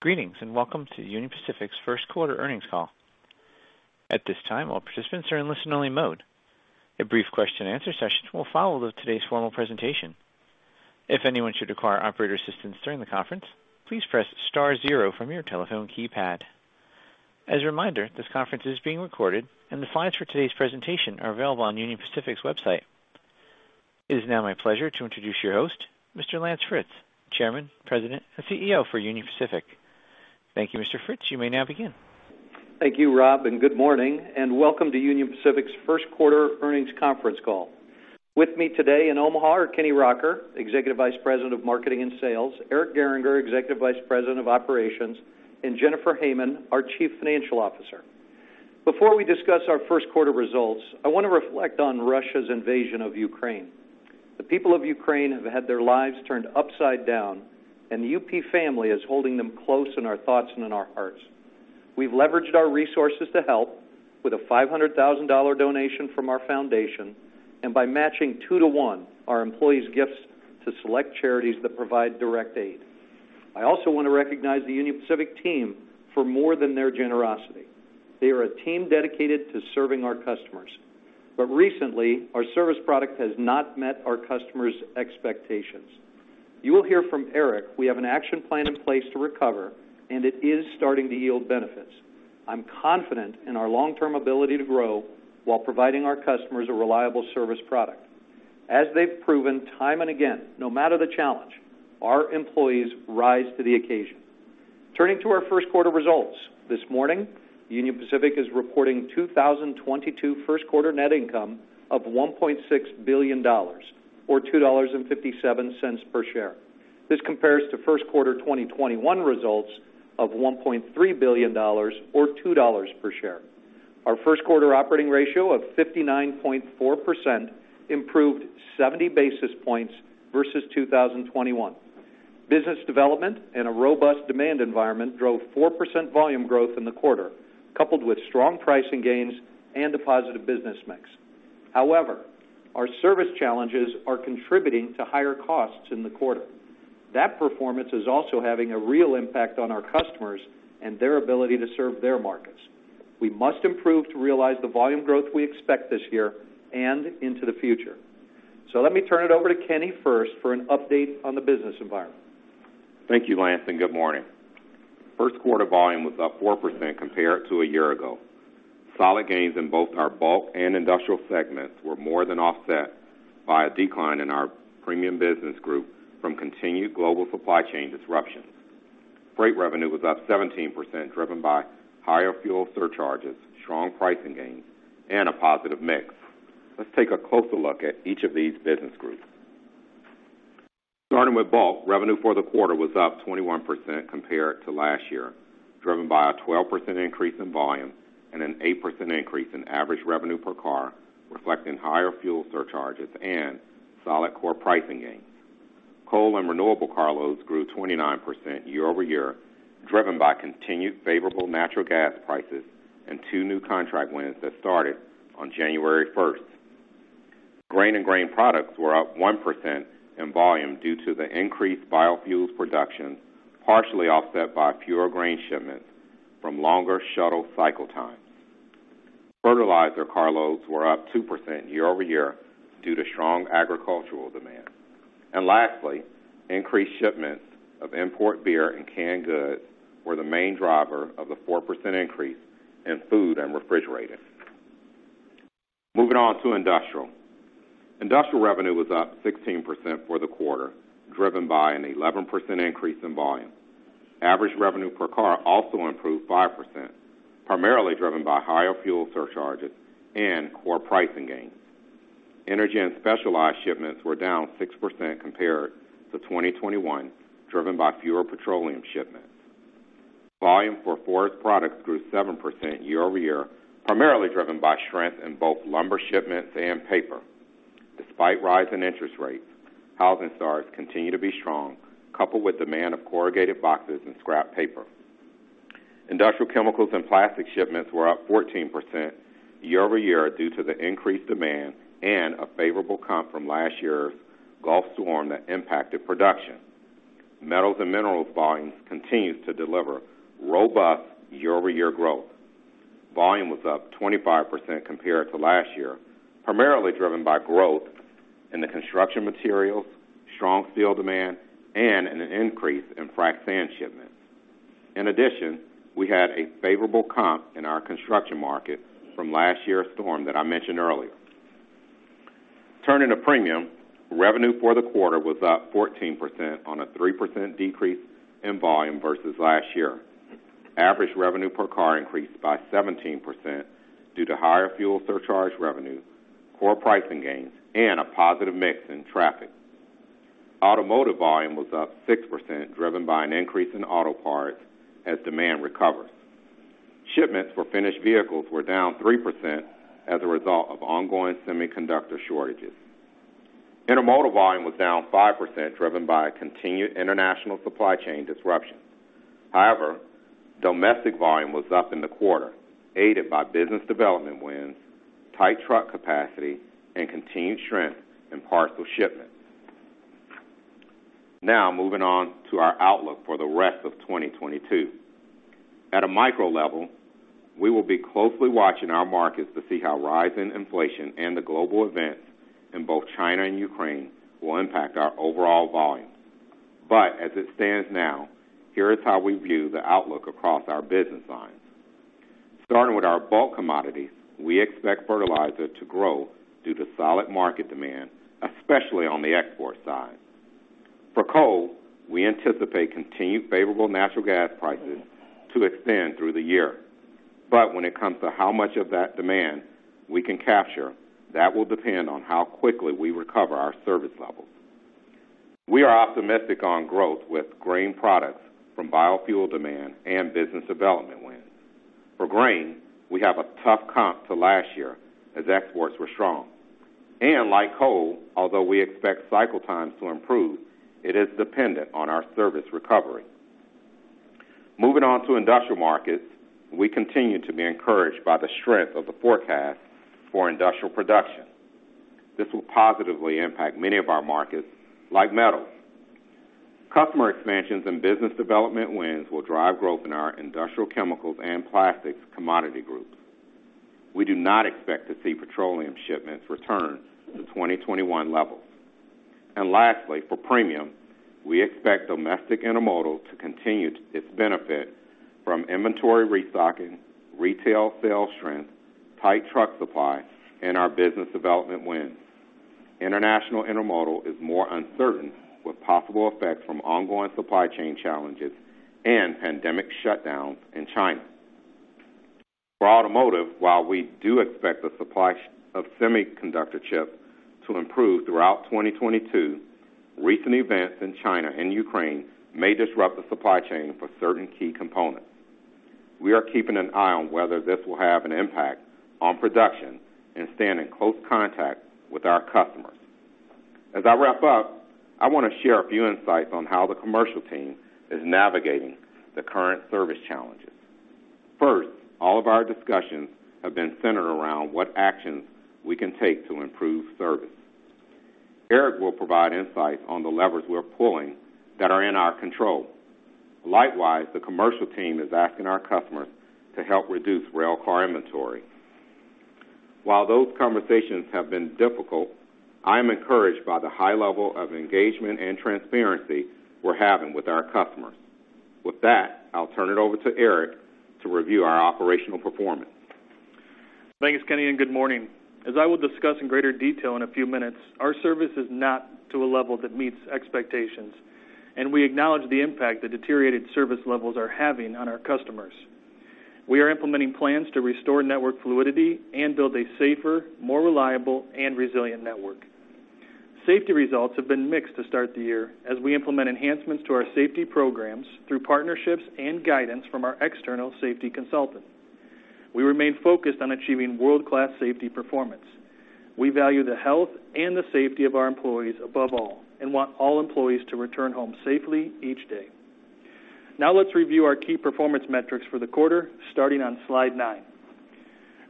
Greetings, and welcome to Union Pacific's 1st quarter earnings call. At this time, all participants are in listen-only mode. A brief question-and-answer session will follow today's formal presentation. If anyone should require operator assistance during the conference, please press star zero from your telephone keypad. As a reminder, this conference is being recorded and the slides for today's presentation are available on Union Pacific's website. It is now my pleasure to introduce your host, Mr. Lance Fritz, Chairman, President, and CEO for Union Pacific. Thank you, Mr. Fritz. You may now begin. Thank you, Rob, and good morning, and welcome to Union Pacific's 1st quarter earnings conference call. With me today in Omaha are Kenny Rocker, Executive Vice President of Marketing and Sales, Eric Gehringer, Executive Vice President of Operations, and Jennifer Hamann, our Chief Financial Officer. Before we discuss our 1st quarter results, I wanna reflect on Russia's invasion of Ukraine. The people of Ukraine have had their lives turned upside down, and the UP family is holding them close in our thoughts and in our hearts. We've leveraged our resources to help with a $500,000 donation from our foundation and by matching 2 to 1 our employees' gifts to select charities that provide direct aid. I also wanna recognize the Union Pacific team for more than their generosity. They are a team dedicated to serving our customers. Recently, our service product has not met our customers' expectations. You will hear from Eric we have an action plan in place to recover, and it is starting to yield benefits. I'm confident in our long-term ability to grow while providing our customers a reliable service product. As they've proven time and again, no matter the challenge, our employees rise to the occasion. Turning to our 1st quarter results. This morning, Union Pacific is reporting 2022 1st quarter net income of $1.6 billion or $2.57 per share. This compares to 1st quarter 2021 results of $1.3 billion or $2 per share. Our 1st quarter operating ratio of 59.4% improved 70 basis points versus 2021. Business development and a robust demand environment drove 4% volume growth in the quarter, coupled with strong pricing gains and a positive business mix. However, our service challenges are contributing to higher costs in the quarter. That performance is also having a real impact on our customers and their ability to serve their markets. We must improve to realize the volume growth we expect this year and into the future. Let me turn it over to Kenny first for an update on the business environment. Thank you, Lance, and good morning. First quarter volume was up 4% compared to a year ago. Solid gains in both our bulk and industrial segments were more than offset by a decline in our premium business group from continued global supply chain disruptions. Freight revenue was up 17%, driven by higher fuel surcharges, strong pricing gains, and a positive mix. Let's take a closer look at each of these business groups. Starting with bulk, revenue for the quarter was up 21% compared to last year, driven by a 12% increase in volume and an 8% increase in average revenue per car, reflecting higher fuel surcharges and solid core pricing gains. Coal and renewable carloads grew 29% year-over-year, driven by continued favorable natural gas prices and two new contract wins that started on January first. Grain and Grain Products were up 1% in volume due to the increased biofuels production, partially offset by pure grain shipments from longer shuttle cycle times. Fertilizer carloads were up 2% year-over-year due to strong agricultural demand. Lastly, increased shipments of import beer and canned goods were the main driver of the 4% increase in Food and Refrigerated. Moving on to Industrial. Industrial revenue was up 16% for the quarter, driven by an 11% increase in volume. Average revenue per car also improved 5%, primarily driven by higher fuel surcharges and core pricing gains. Energy and Specialized shipments were down 6% compared to 2021, driven by fewer petroleum shipments. Volume for Forest Products grew 7% year-over-year, primarily driven by strength in both lumber shipments and paper. Despite rising interest rates, housing starts continue to be strong, coupled with demand of corrugated boxes and scrap paper. Industrial chemicals and plastic shipments were up 14% year-over-year due to the increased demand and a favorable comp from last year's Gulf storm that impacted production. Metals and minerals volumes continues to deliver robust year-over-year growth. Volume was up 25% compared to last year, primarily driven by growth in the construction materials, strong steel demand, and an increase in frac sand shipments. In addition, we had a favorable comp in our construction market from last year's storm that I mentioned earlier. Turning to premium, revenue for the quarter was up 14% on a 3% decrease in volume versus last year. Average revenue per car increased by 17% due to higher fuel surcharge revenue, core pricing gains, and a positive mix in traffic. Automotive volume was up 6%, driven by an increase in auto parts as demand recovers. Shipments for finished vehicles were down 3% as a result of ongoing semiconductor shortages. Intermodal volume was down 5%, driven by continued international supply chain disruptions. However, domestic volume was up in the quarter, aided by business development wins, tight truck capacity, and continued strength in parcel shipments. Now moving on to our outlook for the rest of 2022. At a macro level, we will be closely watching our markets to see how rising inflation and the global events in both China and Ukraine will impact our overall volume. As it stands now, here is how we view the outlook across our business lines. Starting with our bulk commodities, we expect fertilizer to grow due to solid market demand, especially on the export side. For coal, we anticipate continued favorable natural gas prices to extend through the year. When it comes to how much of that demand we can capture, that will depend on how quickly we recover our service levels. We are optimistic on growth with grain products from biofuel demand and business development wins. For grain, we have a tough comp to last year as exports were strong. Like coal, although we expect cycle times to improve, it is dependent on our service recovery. Moving on to industrial markets, we continue to be encouraged by the strength of the forecast for industrial production. This will positively impact many of our markets, like metals. Customer expansions and business development wins will drive growth in our industrial chemicals and plastics commodity groups. We do not expect to see petroleum shipments return to 2021 levels. Lastly, for premium, we expect domestic intermodal to continue its benefit from inventory restocking, retail sales strength, tight truck supply, and our business development wins. International intermodal is more uncertain with possible effects from ongoing supply chain challenges and pandemic shutdowns in China. For automotive, while we do expect the supply of semiconductor chips to improve throughout 2022, recent events in China and Ukraine may disrupt the supply chain for certain key components. We are keeping an eye on whether this will have an impact on production and stay in close contact with our customers. As I wrap up, I want to share a few insights on how the commercial team is navigating the current service challenges. First, all of our discussions have been centered around what actions we can take to improve service. Eric will provide insights on the levers we're pulling that are in our control. Likewise, the commercial team is asking our customers to help reduce railcar inventory. While those conversations have been difficult, I am encouraged by the high level of engagement and transparency we're having with our customers. With that, I'll turn it over to Eric to review our operational performance. Thanks, Kenny, and good morning. As I will discuss in greater detail in a few minutes, our service is not to a level that meets expectations, and we acknowledge the impact the deteriorated service levels are having on our customers. We are implementing plans to restore network fluidity and build a safer, more reliable and resilient network. Safety results have been mixed to start the year as we implement enhancements to our safety programs through partnerships and guidance from our external safety consultant. We remain focused on achieving world-class safety performance. We value the health and the safety of our employees above all and want all employees to return home safely each day. Now let's review our key performance metrics for the quarter, starting on slide 9.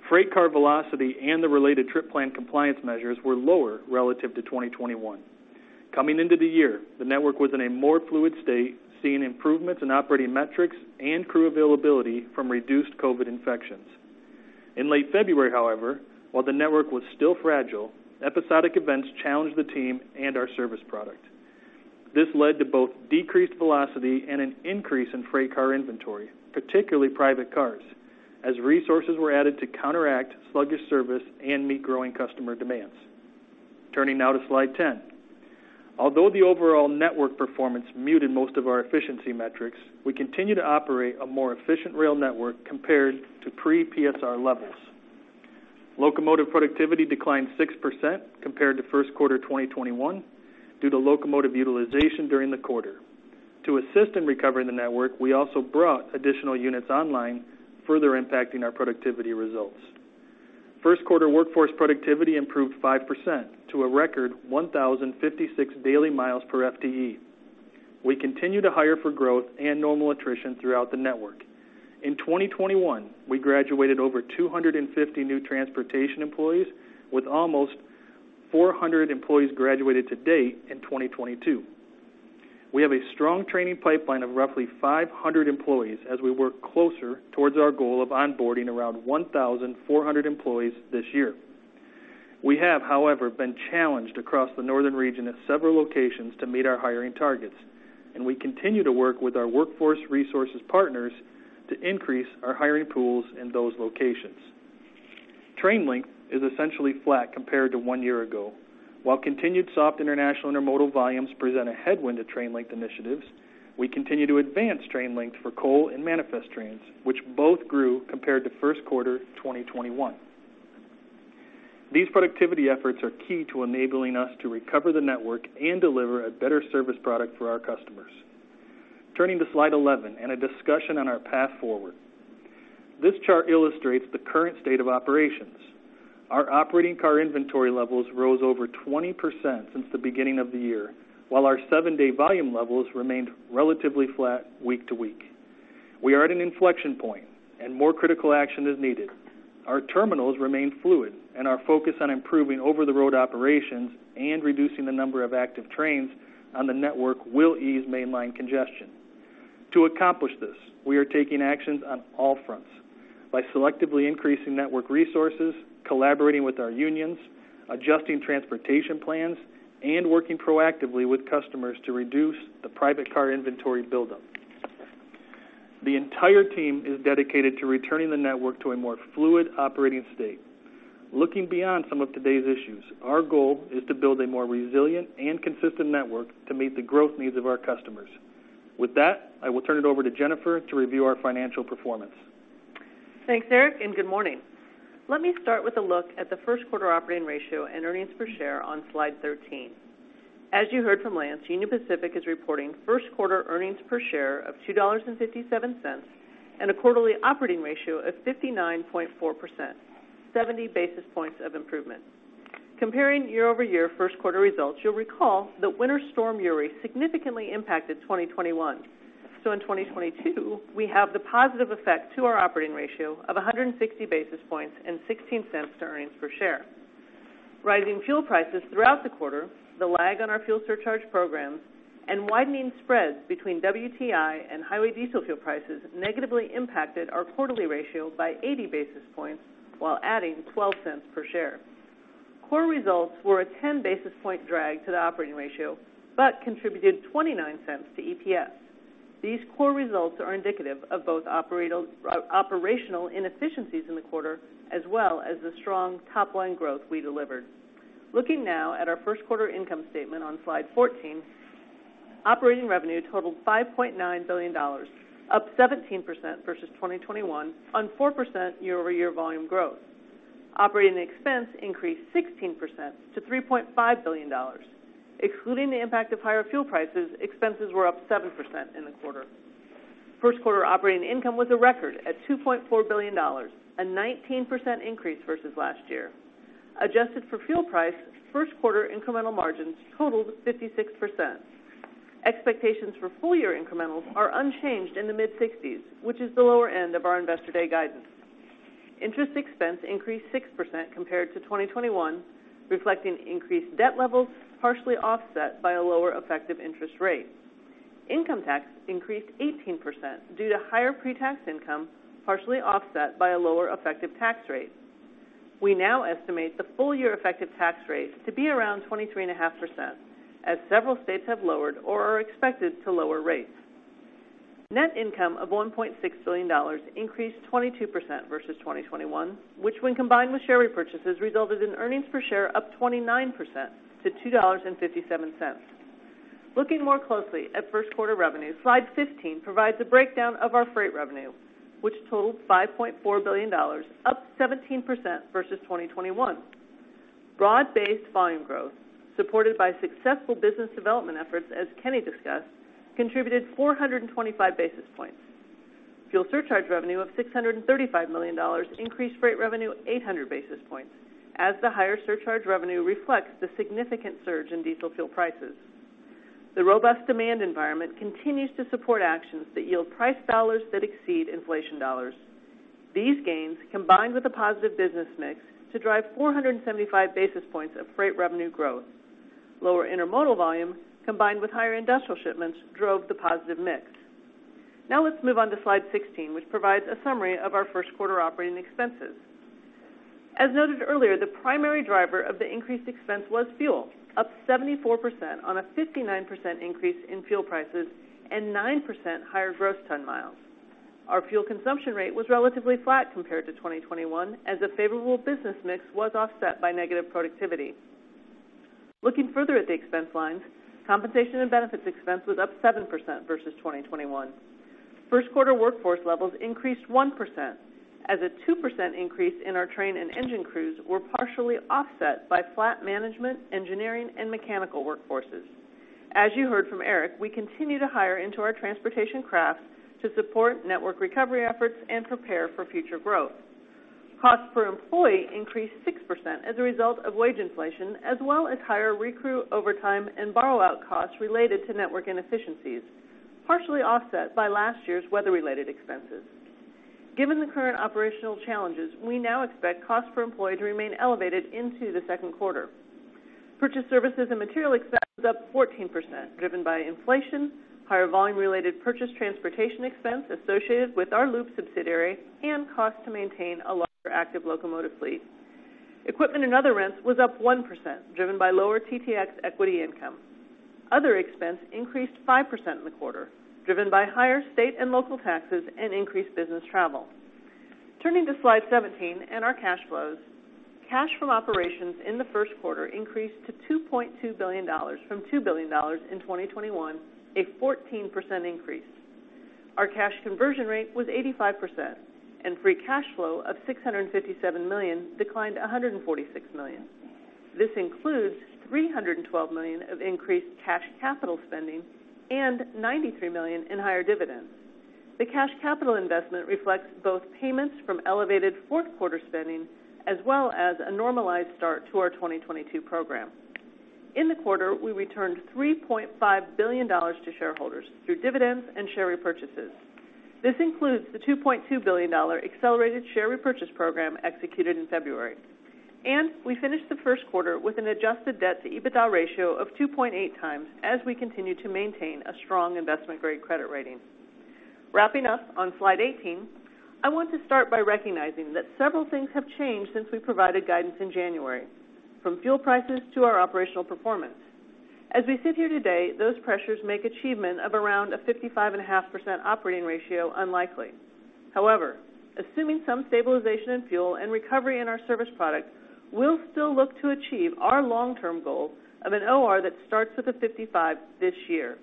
Freight car velocity and the related trip plan compliance measures were lower relative to 2021. Coming into the year, the network was in a more fluid state, seeing improvements in operating metrics and crew availability from reduced COVID infections. In late February, however, while the network was still fragile, episodic events challenged the team and our service product. This led to both decreased velocity and an increase in freight car inventory, particularly private cars, as resources were added to counteract sluggish service and meet growing customer demands. Turning now to slide 10. Although the overall network performance muted most of our efficiency metrics, we continue to operate a more efficient rail network compared to pre-PSR levels. Locomotive productivity declined 6% compared to 1st quarter 2021 due to locomotive utilization during the quarter. To assist in recovering the network, we also brought additional units online, further impacting our productivity results. First quarter workforce productivity improved 5% to a record 1,056 daily miles per FTE. We continue to hire for growth and normal attrition throughout the network. In 2021, we graduated over 250 new transportation employees with almost 400 employees graduated to date in 2022. We have a strong training pipeline of roughly 500 employees as we work closer towards our goal of onboarding around 1,400 employees this year. We have, however, been challenged across the northern region at several locations to meet our hiring targets, and we continue to work with our workforce resources partners to increase our hiring pools in those locations. Train length is essentially flat compared to 1 year ago. While continued soft international intermodal volumes present a headwind to train length initiatives, we continue to advance train length for coal and manifest trains, which both grew compared to 1st quarter 2021. These productivity efforts are key to enabling us to recover the network and deliver a better service product for our customers. Turning to slide 11 and a discussion on our path forward. This chart illustrates the current state of operations. Our operating car inventory levels rose over 20% since the beginning of the year, while our seven-day volume levels remained relatively flat week to week. We are at an inflection point, and more critical action is needed. Our terminals remain fluid, and our focus on improving over-the-road operations and reducing the number of active trains on the network will ease mainline congestion. To accomplish this, we are taking actions on all fronts by selectively increasing network resources, collaborating with our unions, adjusting transportation plans, and working proactively with customers to reduce the private car inventory buildup. The entire team is dedicated to returning the network to a more fluid operating state. Looking beyond some of today's issues, our goal is to build a more resilient and consistent network to meet the growth needs of our customers. With that, I will turn it over to Jennifer to review our financial performance. Thanks, Eric, and good morning. Let me start with a look at the 1st quarter operating ratio and earnings per share on slide 13. As you heard from Lance, Union Pacific is reporting 1st quarter earnings per share of $2.57, and a quarterly operating ratio of 59.4%, 70 basis points of improvement. Comparing year-over-year 1st quarter results, you'll recall that Winter Storm Uri significantly impacted 2021. In 2022, we have the positive effect to our operating ratio of 160 basis points and $0.16 to earnings per share. Rising fuel prices throughout the quarter, the lag on our fuel surcharge programs, and widening spreads between WTI and highway diesel fuel prices negatively impacted our quarterly ratio by 80 basis points while adding $0.12 per share. Core results were a 10 basis point drag to the operating ratio, but contributed 29 cents to EPS. These core results are indicative of both operational inefficiencies in the quarter, as well as the strong top-line growth we delivered. Looking now at our 1st quarter income statement on slide 14, operating revenue totaled $5.9 billion, up 17% versus 2021 on 4% year-over-year volume growth. Operating expense increased 16% to $3.5 billion. Excluding the impact of higher fuel prices, expenses were up 7% in the quarter. First quarter operating income was a record at $2.4 billion, a 19% increase versus last year. Adjusted for fuel price, 1st quarter incremental margins totaled 56%. Expectations for full year incrementals are unchanged in the mid-60s, which is the lower end of our Investor Day guidance. Interest expense increased 6% compared to 2021, reflecting increased debt levels, partially offset by a lower effective interest rate. Income tax increased 18% due to higher pre-tax income, partially offset by a lower effective tax rate. We now estimate the full year effective tax rate to be around 23.5%, as several states have lowered or are expected to lower rates. Net income of $1.6 billion increased 22% versus 2021, which when combined with share repurchases, resulted in earnings per share up 29% to $2.57. Looking more closely at 1st quarter revenue, slide 15 provides a breakdown of our freight revenue, which totaled $5.4 billion, up 17% versus 2021. Broad-based volume growth, supported by successful business development efforts, as Kenny discussed, contributed 425 basis points. Fuel surcharge revenue of $635 million increased freight revenue 800 basis points as the higher surcharge revenue reflects the significant surge in diesel fuel prices. The robust demand environment continues to support actions that yield price dollars that exceed inflation dollars. These gains, combined with a positive business mix, drove 475 basis points of freight revenue growth. Lower intermodal volume, combined with higher industrial shipments, drove the positive mix. Now let's move on to slide 16, which provides a summary of our 1st quarter operating expenses. As noted earlier, the primary driver of the increased expense was fuel, up 74% on a 59% increase in fuel prices and 9% higher gross ton miles. Our fuel consumption rate was relatively flat compared to 2021 as the favorable business mix was offset by negative productivity. Looking further at the expense lines, compensation and benefits expense was up 7% versus 2021. First quarter workforce levels increased 1% as a 2% increase in our train and engine crews were partially offset by flat management, engineering, and mechanical workforces. As you heard from Eric, we continue to hire into our transportation crafts to support network recovery efforts and prepare for future growth. Cost per employee increased 6% as a result of wage inflation, as well as higher recrew overtime and borrow out costs related to network inefficiencies, partially offset by last year's weather-related expenses. Given the current operational challenges, we now expect cost per employee to remain elevated into the 2nd quarter. Purchase services and material expense was up 14%, driven by inflation, higher volume-related purchase transportation expense associated with our Loup subsidiary, and cost to maintain a larger active locomotive fleet. Equipment and other rents was up 1%, driven by lower TTX equity income. Other expense increased 5% in the quarter, driven by higher state and local taxes and increased business travel. Turning to slide 17 and our cash flows, cash from operations in the 1st quarter increased to $2.2 billion from $2 billion in 2021, a 14% increase. Our cash conversion rate was 85%, and free cash flow of $657 million declined $146 million. This includes $312 million of increased cash capital spending and $93 million in higher dividends. The cash capital investment reflects both payments from elevated fourth quarter spending as well as a normalized start to our 2022 program. In the quarter, we returned $3.5 billion to shareholders through dividends and share repurchases. This includes the $2.2 billion accelerated share repurchase program executed in February. We finished the 1st quarter with an adjusted debt-to-EBITDA ratio of 2.8 times as we continue to maintain a strong investment-grade credit rating. Wrapping up on slide 18, I want to start by recognizing that several things have changed since we provided guidance in January, from fuel prices to our operational performance. As we sit here today, those pressures make achievement of around a 55.5% operating ratio unlikely. However, assuming some stabilization in fuel and recovery in our service products, we'll still look to achieve our long-term goal of an OR that starts with a 55 this year.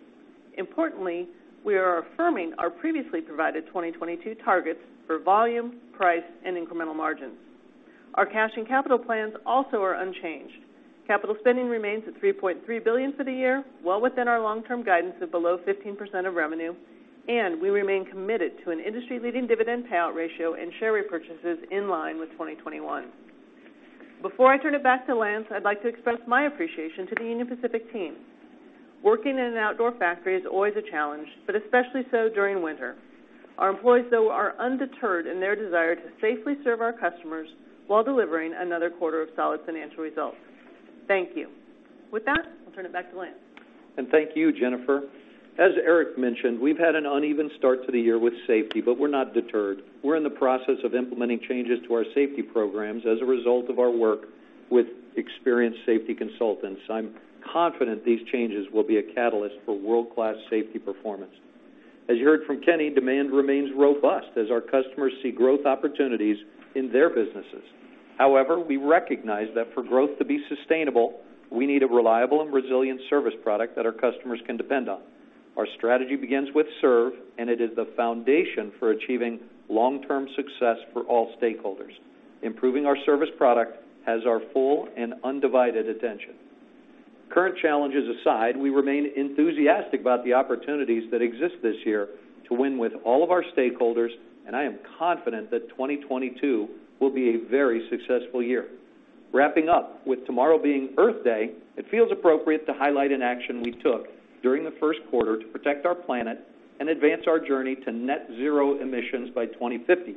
Importantly, we are affirming our previously provided 2022 targets for volume, price, and incremental margins. Our cash and capital plans also are unchanged. Capital spending remains at $3.3 billion for the year, well within our long-term guidance of below 15% of revenue, and we remain committed to an industry-leading dividend payout ratio and share repurchases in line with 2021. Before I turn it back to Lance, I'd like to express my appreciation to the Union Pacific team. Working in an outdoor factory is always a challenge, but especially so during winter. Our employees, though, are undeterred in their desire to safely serve our customers while delivering another quarter of solid financial results. Thank you. With that, I'll turn it back to Lance. Thank you, Jennifer. As Eric mentioned, we've had an uneven start to the year with safety, but we're not deterred. We're in the process of implementing changes to our safety programs as a result of our work with experienced safety consultants. I'm confident these changes will be a catalyst for world-class safety performance. As you heard from Kenny, demand remains robust as our customers see growth opportunities in their businesses. However, we recognize that for growth to be sustainable, we need a reliable and resilient service product that our customers can depend on. Our strategy begins with Serve, and it is the foundation for achieving long-term success for all stakeholders. Improving our service product has our full and undivided attention. Current challenges aside, we remain enthusiastic about the opportunities that exist this year to win with all of our stakeholders, and I am confident that 2022 will be a very successful year. Wrapping up, with tomorrow being Earth Day, it feels appropriate to highlight an action we took during the 1st quarter to protect our planet and advance our journey to net zero emissions by 2050.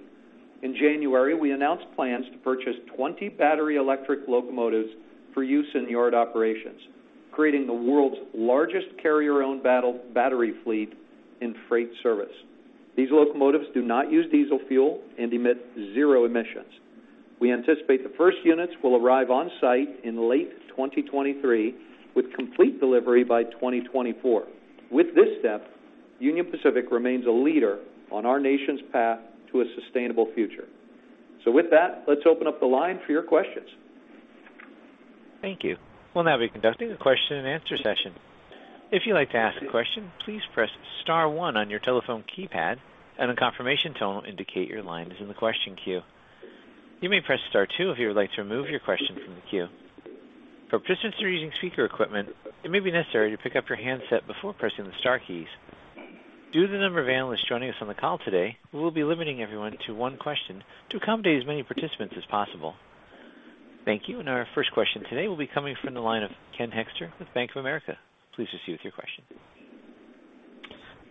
In January, we announced plans to purchase 20 battery electric locomotives for use in yard operations, creating the world's largest carrier-owned battery fleet in freight service. These locomotives do not use diesel fuel and emit zero emissions. We anticipate the first units will arrive on site in late 2023, with complete delivery by 2024. With this step, Union Pacific remains a leader on our nation's path to a sustainable future. With that, let's open up the line for your questions. Thank you. We'll now be conducting a question and answer session. If you'd like to ask a question, please press star one on your telephone keypad, and a confirmation tone will indicate your line is in the question queue. You may press star two if you would like to remove your question from the queue. For participants who are using speaker equipment, it may be necessary to pick up your handset before pressing the star keys. Due to the number of analysts joining us on the call today, we will be limiting everyone to one question to accommodate as many participants as possible. Thank you. Our first question today will be coming from the line of Ken Hoexter with Bank of America. Please proceed with your question.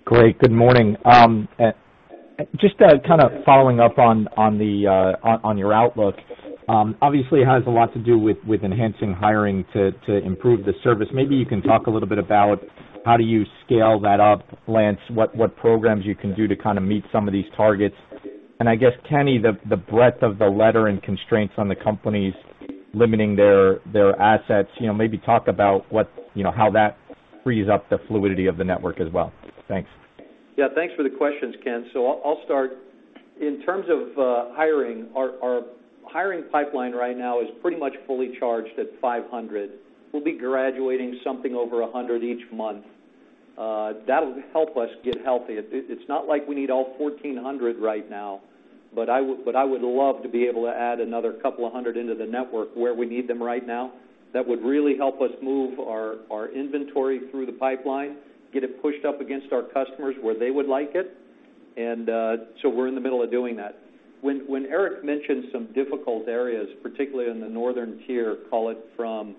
Great. Good morning. Just to kind of follow up on your outlook, obviously, it has a lot to do with enhancing hiring to improve the service. Maybe you can talk a little bit about how do you scale that up, Lance, what programs you can do to kind of meet some of these targets. I guess, Kenny, the breadth of the latter and constraints on the companies limiting their assets, you know, maybe talk about what, you know, how that frees up the fluidity of the network as well. Thanks. Yeah, thanks for the questions, Ken. I'll start. In terms of hiring, our hiring pipeline right now is pretty much fully charged at 500. We'll be graduating something over 100 each month. That'll help us get healthy. It's not like we need all 1400 right now, but I would love to be able to add another couple of 100 into the network where we need them right now. That would really help us move our inventory through the pipeline, get it pushed up against our customers where they would like it. We're in the middle of doing that. When Eric Gehringer mentioned some difficult areas, particularly in the northern tier, call it from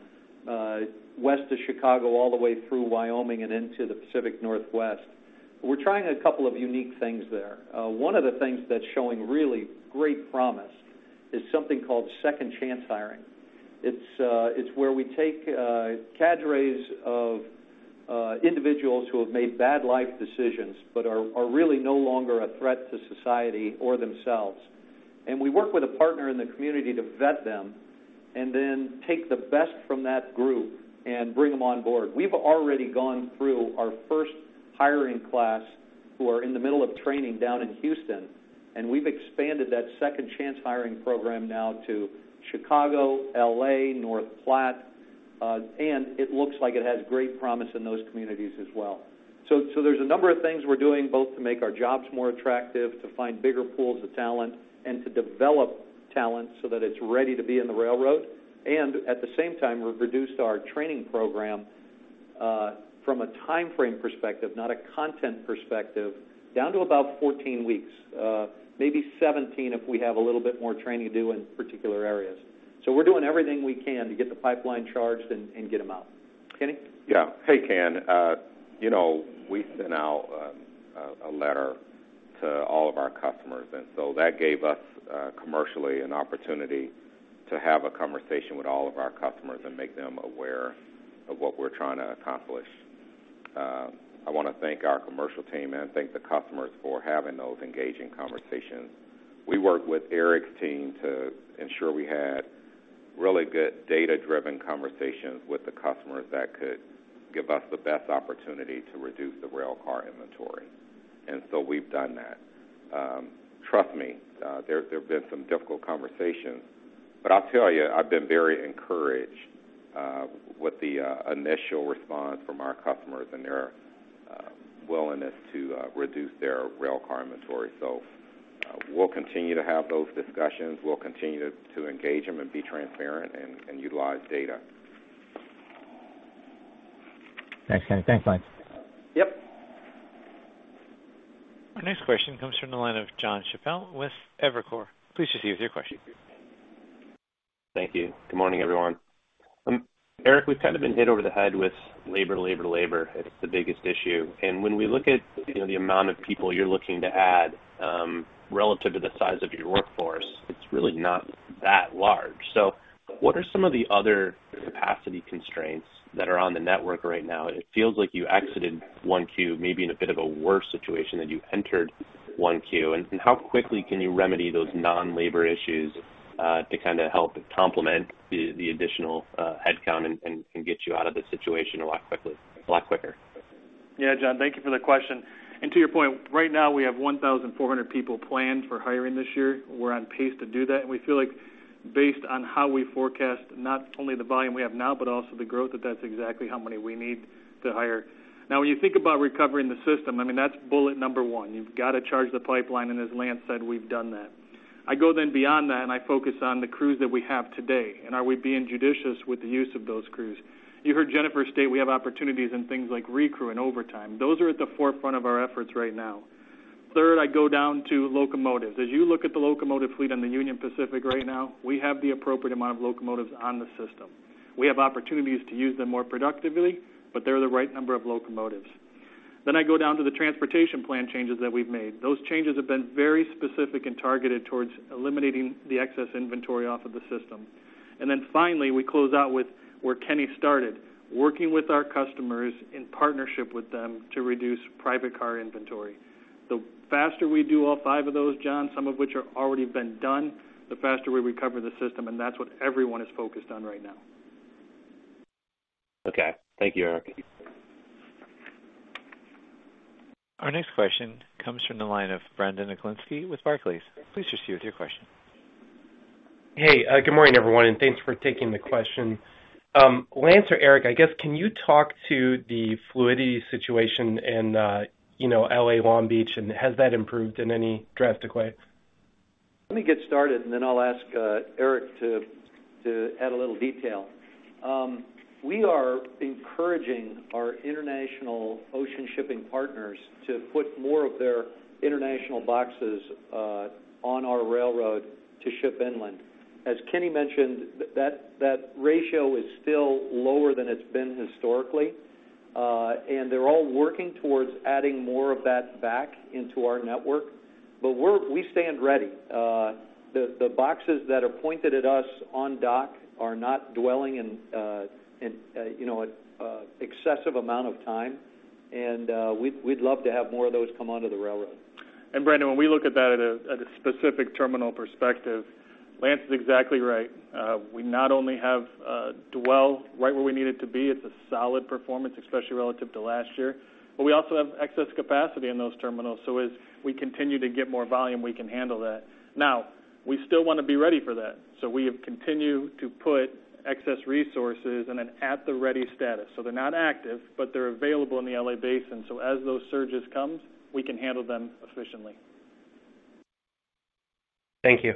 west of Chicago all the way through Wyoming and into the Pacific Northwest, we're trying a couple of unique things there. One of the things that's showing really great promise is something called second chance hiring. It's where we take cadres of individuals who have made bad life decisions, but are really no longer a threat to society or themselves. We work with a partner in the community to vet them and then take the best from that group and bring them on board. We've already gone through our first hiring class, who are in the middle of training down in Houston, and we've expanded that second chance hiring program now to Chicago, L.A., North Platte. It looks like it has great promise in those communities as well. There's a number of things we're doing both to make our jobs more attractive, to find bigger pools of talent, and to develop talent so that it's ready to be in the railroad. At the same time, we've reduced our training program, from a timeframe perspective, not a content perspective, down to about 14 weeks, maybe 17 if we have a little bit more training to do in particular areas. We're doing everything we can to get the pipeline charged and get them out. Kenny? Yeah. Hey, Ken. You know, we sent out a letter to all of our customers, and that gave us commercially an opportunity to have a conversation with all of our customers and make them aware of what we're trying to accomplish. I want to thank our commercial team and thank the customers for having those engaging conversations. We worked with Eric's team to ensure we had really good data-driven conversations with the customers that could give us the best opportunity to reduce the rail car inventory. We've done that. Trust me, there have been some difficult conversations, but I'll tell you, I've been very encouraged with the initial response from our customers and their willingness to reduce their rail car inventory. We'll continue to have those discussions. We'll continue to engage them and be transparent and utilize data. Thanks, Kenny. Thanks, Lance. Yep. Our next question comes from the line of Jon Chappell with Evercore. Please just give us your question. Thank you. Good morning, everyone. Eric, we've kind of been hit over the head with labor. It's the biggest issue. When we look at, you know, the amount of people you're looking to add, relative to the size of your workforce, it's really not that large. What are some of the other capacity constraints that are on the network right now? It feels like you exited 1Q maybe in a bit of a worse situation than you entered 1Q. How quickly can you remedy those non-labor issues to kinda help complement the additional headcount and get you out of this situation a lot quicker? Yeah, Jon, thank you for the question. To your point, right now we have 1,400 people planned for hiring this year. We're on pace to do that. We feel like based on how we forecast not only the volume we have now, but also the growth, that that's exactly how many we need to hire. Now when you think about recovering the system, I mean, that's bullet number one. You've got to charge the pipeline, and as Lance said, we've done that. I go then beyond that, and I focus on the crews that we have today, and are we being judicious with the use of those crews? You heard Jennifer state we have opportunities in things like recrew and overtime. Those are at the forefront of our efforts right now. Third, I go down to locomotives. As you look at the locomotive fleet on the Union Pacific right now, we have the appropriate amount of locomotives on the system. We have opportunities to use them more productively, but they're the right number of locomotives. I go down to the transportation plan changes that we've made. Those changes have been very specific and targeted towards eliminating the excess inventory off of the system. Finally, we close out with where Kenny started, working with our customers in partnership with them to reduce private car inventory. The faster we do all five of those, John, some of which are already been done, the faster we recover the system, and that's what everyone is focused on right now. Okay. Thank you, Eric. Our next question comes from the line of Brandon Oglenski with Barclays. Please just give us your question. Hey, good morning, everyone, and thanks for taking the question. Lance or Eric, I guess, can you talk to the fluidity situation in, you know, L.A. Long Beach, and has that improved in any drastic way? Let me get started, and then I'll ask Eric to add a little detail. We are encouraging our international ocean shipping partners to put more of their international boxes on our railroad to ship inland. As Kenny mentioned, that ratio is still lower than it's been historically, and they're all working towards adding more of that back into our network. We stand ready. The boxes that are pointed at us on dock are not dwelling, you know, an excessive amount of time. We'd love to have more of those come onto the railroad. Brandon, when we look at that at a specific terminal perspective, Lance is exactly right. We not only have dwell right where we need it to be, it's a solid performance, especially relative to last year, but we also have excess capacity in those terminals. As we continue to get more volume, we can handle that. Now, we still wanna be ready for that, so we have continued to put excess resources in an at-the-ready status. They're not active, but they're available in the L.A. basin, so as those surges comes, we can handle them efficiently. Thank you.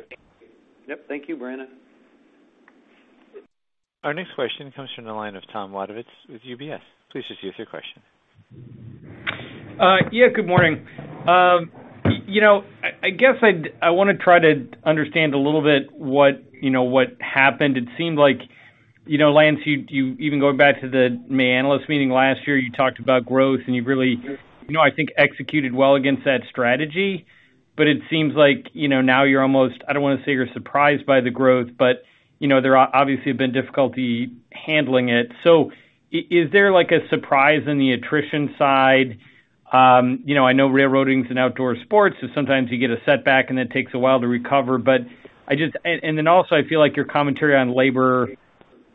Yep. Thank you, Brandon. Our next question comes from the line of Tom Wadewitz with UBS. Please just give us your question. Yeah, good morning. You know, I guess I wanna try to understand a little bit what, you know, what happened. It seemed like, you know, Lance, you'd even going back to the May analyst meeting last year, you talked about growth and you really, you know, I think executed well against that strategy. But it seems like, you know, now you're almost, I don't wanna say you're surprised by the growth, but, you know, there obviously have been difficulty handling it. So is there like a surprise in the attrition side? You know, I know railroading's an outdoor sport, so sometimes you get a setback and it takes a while to recover. Also I feel like your commentary on labor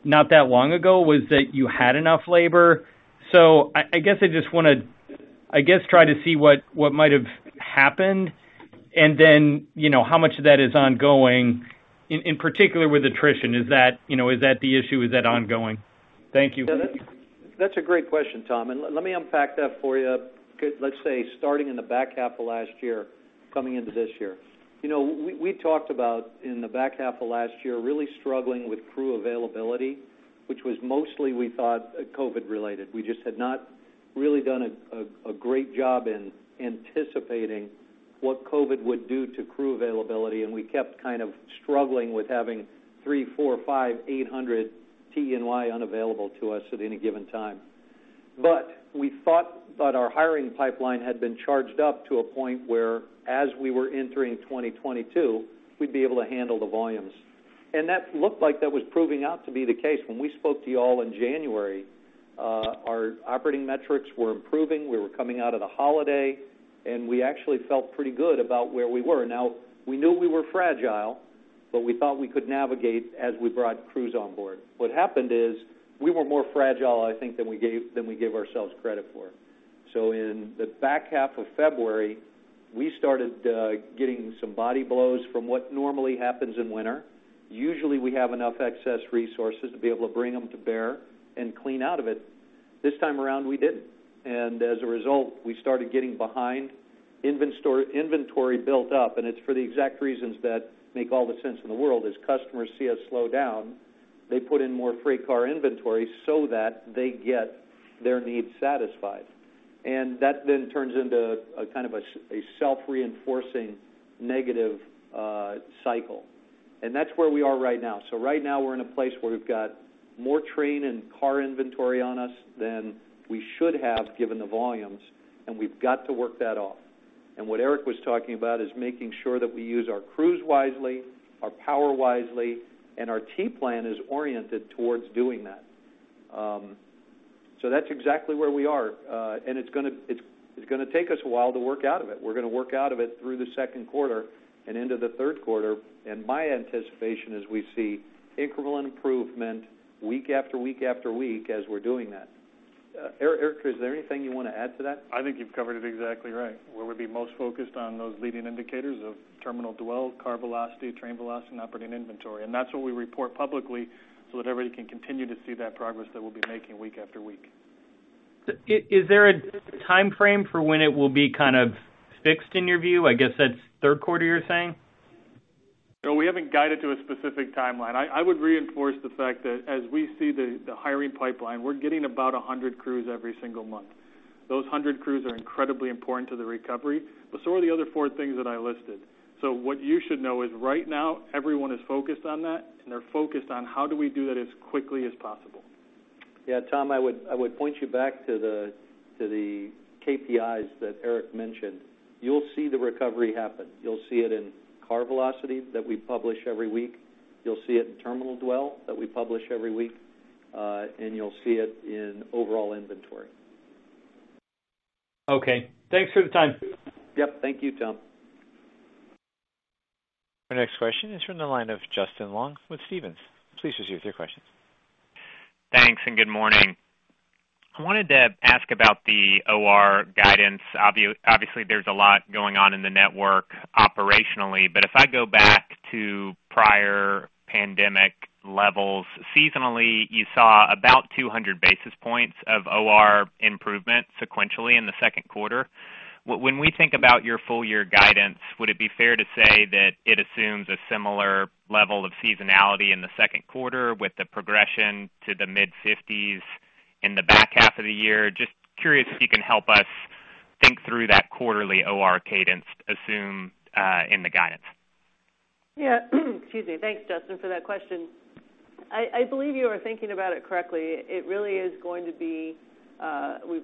not that long ago was that you had enough labor. So I guess I just wanna I guess try to see what might have happened and then, you know, how much of that is ongoing in particular with attrition. Is that, you know, is that the issue? Is that ongoing? Thank you. Yeah, that's a great question, Tom, and let me unpack that for you. Let's say, starting in the back half of last year coming into this year. You know, we talked about in the back half of last year really struggling with crew availability, which was mostly we thought COVID related. We just had not really done a great job in anticipating what COVID would do to crew availability, and we kept kind of struggling with having 300, 400, 500, 800 T&E unavailable to us at any given time. But we thought that our hiring pipeline had been charged up to a point where as we were entering 2022, we'd be able to handle the volumes. That looked like that was proving out to be the case. When we spoke to you all in January, our operating metrics were improving, we were coming out of the holiday, and we actually felt pretty good about where we were. Now, we knew we were fragile, but we thought we could navigate as we brought crews on board. What happened is we were more fragile, I think, than we gave ourselves credit for. In the back half of February, we started getting some body blows from what normally happens in winter. Usually, we have enough excess resources to be able to bring them to bear and clean out of it. This time around, we didn't. As a result, we started getting behind. Inventory built up, and it's for the exact reasons that make all the sense in the world. As customers see us slow down, they put in more freight car inventory so that they get their needs satisfied. That then turns into a kind of a self-reinforcing negative cycle. That's where we are right now. Right now we're in a place where we've got more train and car inventory on us than we should have given the volumes, and we've got to work that off. What Eric was talking about is making sure that we use our crews wisely, our power wisely, and our T-Plan is oriented towards doing that. That's exactly where we are. It's gonna take us a while to work out of it. We're gonna work out of it through the 2nd quarter and into the 3rd quarter. My anticipation is we see incremental improvement week after week after week as we're doing that. Eric, is there anything you want to add to that? I think you've covered it exactly right. Where we'd be most focused on those leading indicators of terminal dwell, car velocity, train velocity, and operating inventory. That's what we report publicly so that everybody can continue to see that progress that we'll be making week after week. Is there a timeframe for when it will be kind of fixed in your view? I guess that's 3rd quarter you're saying. No, we haven't guided to a specific timeline. I would reinforce the fact that as we see the hiring pipeline, we're getting about 100 crews every single month. Those 100 crews are incredibly important to the recovery, but so are the other four things that I listed. What you should know is right now, everyone is focused on that, and they're focused on how do we do that as quickly as possible. Yeah, Tom, I would point you back to the KPIs that Eric mentioned. You'll see the recovery happen. You'll see it in car velocity that we publish every week, you'll see it in terminal dwell that we publish every week, and you'll see it in overall inventory. Okay. Thanks for the time. Yep. Thank you, Tom. Our next question is from the line of Justin Long with Stephens. Please proceed with your question. Thanks, good morning. I wanted to ask about the OR guidance. Obviously, there's a lot going on in the network operationally, but if I go back to prior pandemic levels, seasonally, you saw about 200 basis points of OR improvement sequentially in the 2nd quarter. When we think about your full year guidance, would it be fair to say that it assumes a similar level of seasonality in the 2nd quarter with the progression to the mid-fifties in the back half of the year? Just curious if you can help us think through that quarterly OR cadence assumed in the guidance. Yeah. Excuse me. Thanks, Justin, for that question. I believe you are thinking about it correctly. It really is going to be,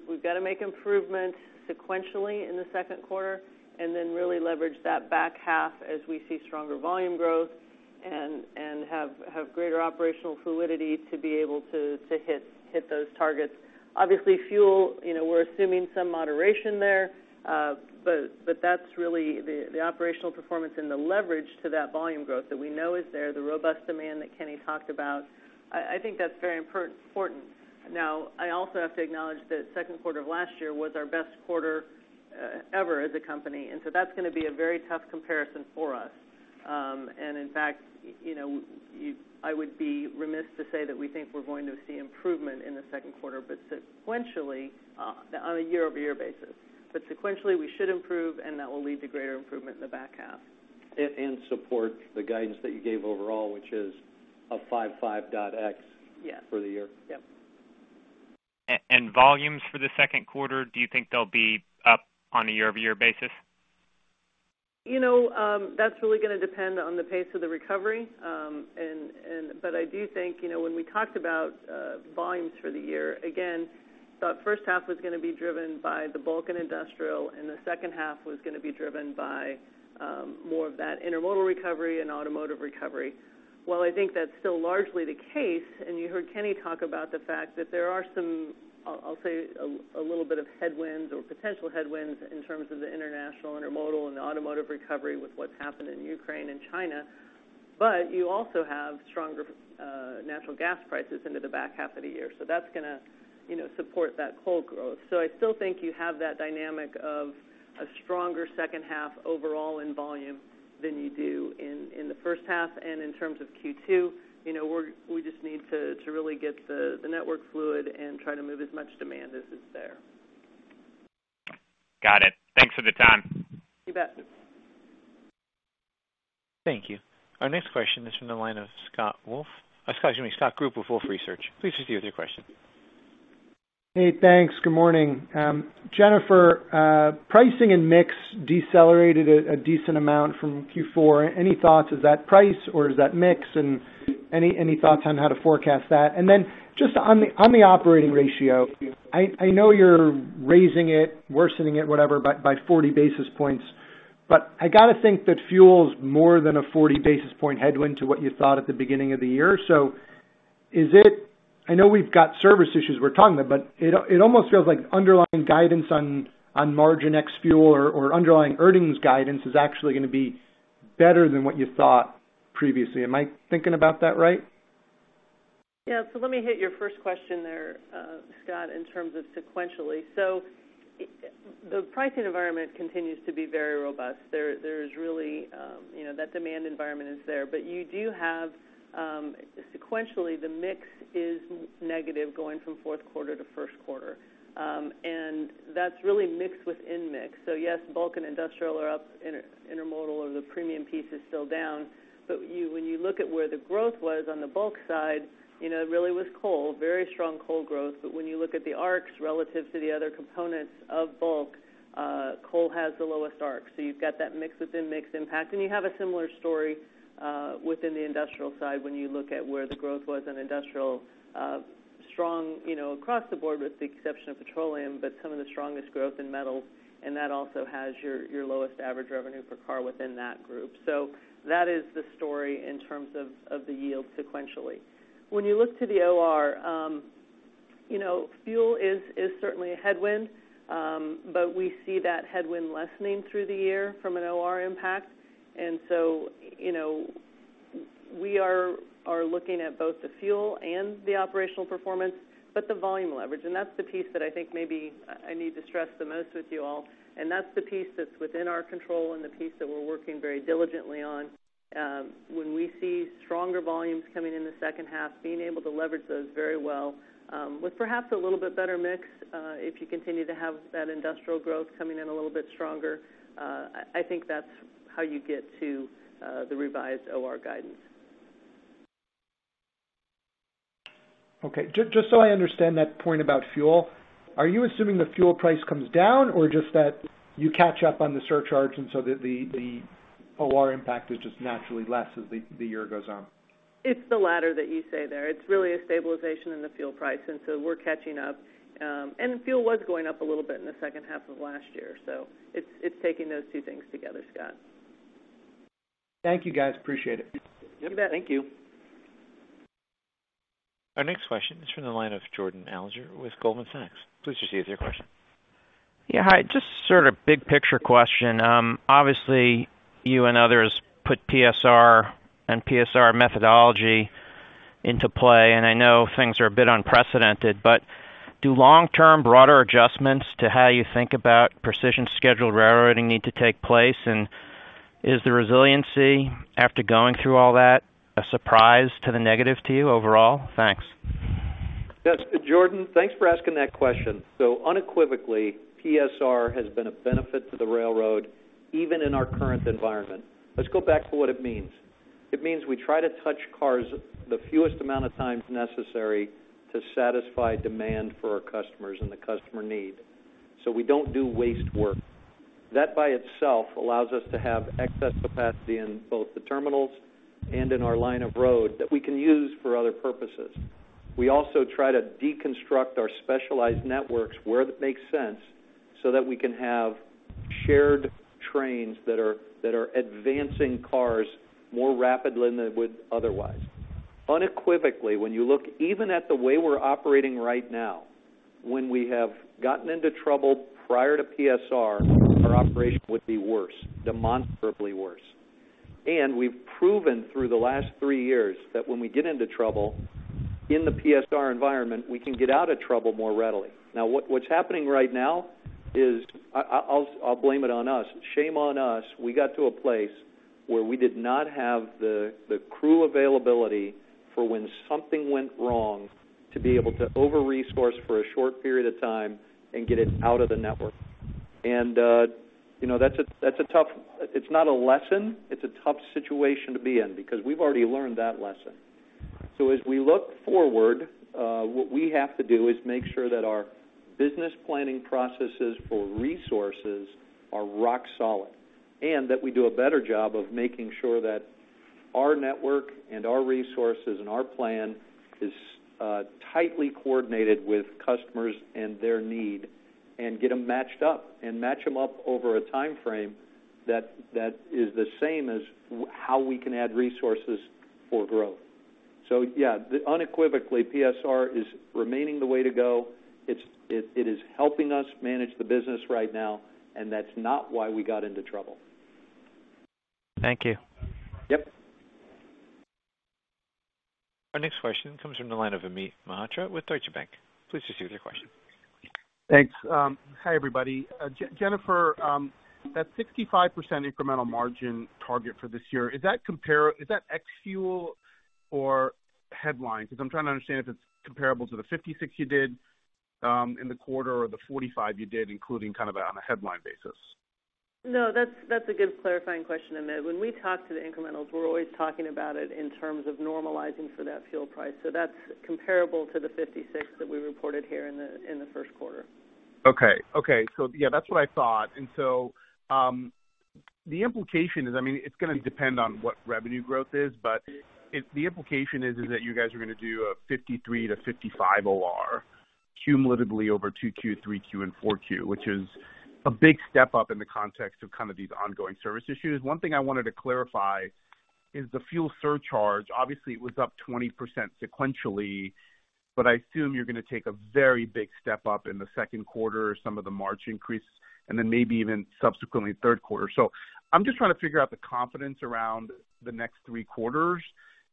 we've got to make improvements sequentially in the 2nd quarter and then really leverage that back half as we see stronger volume growth and have greater operational fluidity to be able to hit those targets. Obviously, fuel, you know, we're assuming some moderation there, but that's really the operational performance and the leverage to that volume growth that we know is there, the robust demand that Kenny talked about. I think that's very important. Now, I also have to acknowledge that 2nd quarter of last year was our best quarter ever as a company, and so that's gonna be a very tough comparison for us. In fact, you know, I would be remiss to say that we think we're going to see improvement in the 2nd quarter, but sequentially, on a year-over-year basis. Sequentially, we should improve, and that will lead to greater improvement in the back half. support the guidance that you gave overall, which is a 5.5x- Yes. for the year. Yep. Volumes for the 2nd quarter, do you think they'll be up on a year-over-year basis? You know, that's really gonna depend on the pace of the recovery. But I do think, you know, when we talked about volumes for the year, again, thought first half was gonna be driven by the bulk and industrial, and the second half was gonna be driven by more of that intermodal recovery and automotive recovery. While I think that's still largely the case, and you heard Kenny talk about the fact that there are some, I'll say a little bit of headwinds or potential headwinds in terms of the international intermodal and the automotive recovery with what's happened in Ukraine and China. But you also have stronger natural gas prices into the back half of the year, so that's gonna, you know, support that coal growth. I still think you have that dynamic of a stronger 2nd half overall in volume than you do in the first half. In terms of Q2, you know, we just need to really get the network fluid and try to move as much demand as is there. Got it. Thanks for the time. You bet. Thank you. Our next question is from the line of Scott Group with Wolfe Research. Please proceed with your question. Hey, thanks. Good morning. Jennifer, pricing and mix decelerated a decent amount from Q4. Any thoughts, is that price or is that mix? And any thoughts on how to forecast that? And then just on the operating ratio, I know you're raising it, worsening it, whatever, by 40 basis points, but I gotta think that fuel's more than a 40 basis point headwind to what you thought at the beginning of the year. So is it. I know we've got service issues, we're talking about, but it almost feels like underlying guidance on margin ex-fuel or underlying earnings guidance is actually gonna be better than what you thought previously. Am I thinking about that right? Yeah. Let me hit your first question there, Scott, in terms of sequentially. The pricing environment continues to be very robust. There's really, you know, that demand environment is there. You do have sequentially, the mix is negative going from fourth quarter to 1st quarter. That's really mix within mix. Yes, bulk and industrial are up. Intermodal or the premium piece is still down. When you look at where the growth was on the bulk side, you know, it really was coal, very strong coal growth. When you look at the ARCs relative to the other components of bulk, coal has the lowest ARC, so you've got that mix-within-mix impact. You have a similar story within the industrial side when you look at where the growth was on industrial. Strong, you know, across the board, with the exception of petroleum, but some of the strongest growth in metal, and that also has your lowest average revenue per car within that group. That is the story in terms of the yield sequentially. When you look to the OR, you know, fuel is certainly a headwind, but we see that headwind lessening through the year from an OR impact. You know, we are looking at both the fuel and the operational performance, but the volume leverage, and that's the piece that I think maybe I need to stress the most with you all, and that's the piece that's within our control and the piece that we're working very diligently on. When we see stronger volumes coming in the second half, being able to leverage those very well, with perhaps a little bit better mix, if you continue to have that industrial growth coming in a little bit stronger, I think that's how you get to the revised OR guidance. Okay. Just so I understand that point about fuel, are you assuming the fuel price comes down or just that you catch up on the surcharge and so that the OR impact is just naturally less as the year goes on? It's the latter that you say there. It's really a stabilization in the fuel price, and so we're catching up. Fuel was going up a little bit in the second half of last year, so it's taking those two things together, Scott. Thank you, guys. Appreciate it. You bet. Thank you. Our next question is from the line of Jordan Alliger with Goldman Sachs. Please proceed with your question. Yeah. Hi. Just sort of big picture question. Obviously, you and others put PSR and PSR methodology into play, and I know things are a bit unprecedented, but do long-term broader adjustments to how you think about Precision Scheduled Railroading need to take place? And is the resiliency after going through all that a surprise or negative to you overall? Thanks. Yes. Jordan, thanks for asking that question. Unequivocally, PSR has been a benefit to the railroad, even in our current environment. Let's go back to what it means. It means we try to touch cars the fewest amount of times necessary to satisfy demand for our customers and the customer need, so we don't do waste work. That by itself allows us to have excess capacity in both the terminals and in our line of road that we can use for other purposes. We also try to deconstruct our specialized networks where that makes sense so that we can have shared trains that are advancing cars more rapidly than they would otherwise. Unequivocally, when you look even at the way we're operating right now, when we have gotten into trouble prior to PSR, our operation would be worse, demonstrably worse. We've proven through the last three years that when we get into trouble in the PSR environment, we can get out of trouble more readily. Now, what's happening right now is I'll blame it on us. Shame on us. We got to a place where we did not have the crew availability for when something went wrong to be able to over-resource for a short period of time and get it out of the network. You know, it's not a lesson, it's a tough situation to be in because we've already learned that lesson. As we look forward, what we have to do is make sure that our business planning processes for resources are rock solid, and that we do a better job of making sure that our network and our resources and our plan is tightly coordinated with customers and their need and get them matched up over a timeframe that is the same as how we can add resources for growth. Yeah, unequivocally PSR is remaining the way to go. It is helping us manage the business right now, and that's not why we got into trouble. Thank you. Yep. Our next question comes from the line of Amit Mehrotra with Deutsche Bank. Please proceed with your question. Thanks. Hi, everybody. Jennifer, that 65% incremental margin target for this year, is that ex fuel or headlines? Because I'm trying to understand if it's comparable to the 56 you did in the quarter or the 45 you did including kind of on a headline basis. No. That's a good clarifying question, Amit. When we talk to the incrementals, we're always talking about it in terms of normalizing for that fuel price. That's comparable to the 56 that we reported here in the 1st quarter. Okay. Yeah, that's what I thought. The implication is, I mean, it's gonna depend on what revenue growth is, but the implication is that you guys are gonna do a 53%-55% OR cumulatively over 2Q, 3Q, and 4Q, which is a big step up in the context of kind of these ongoing service issues. One thing I wanted to clarify is the fuel surcharge. Obviously, it was up 20% sequentially, but I assume you're gonna take a very big step up in the 2nd quarter, some of the March increase, and then maybe even subsequently 3rd quarter. I'm just trying to figure out the confidence around the next 3 quarters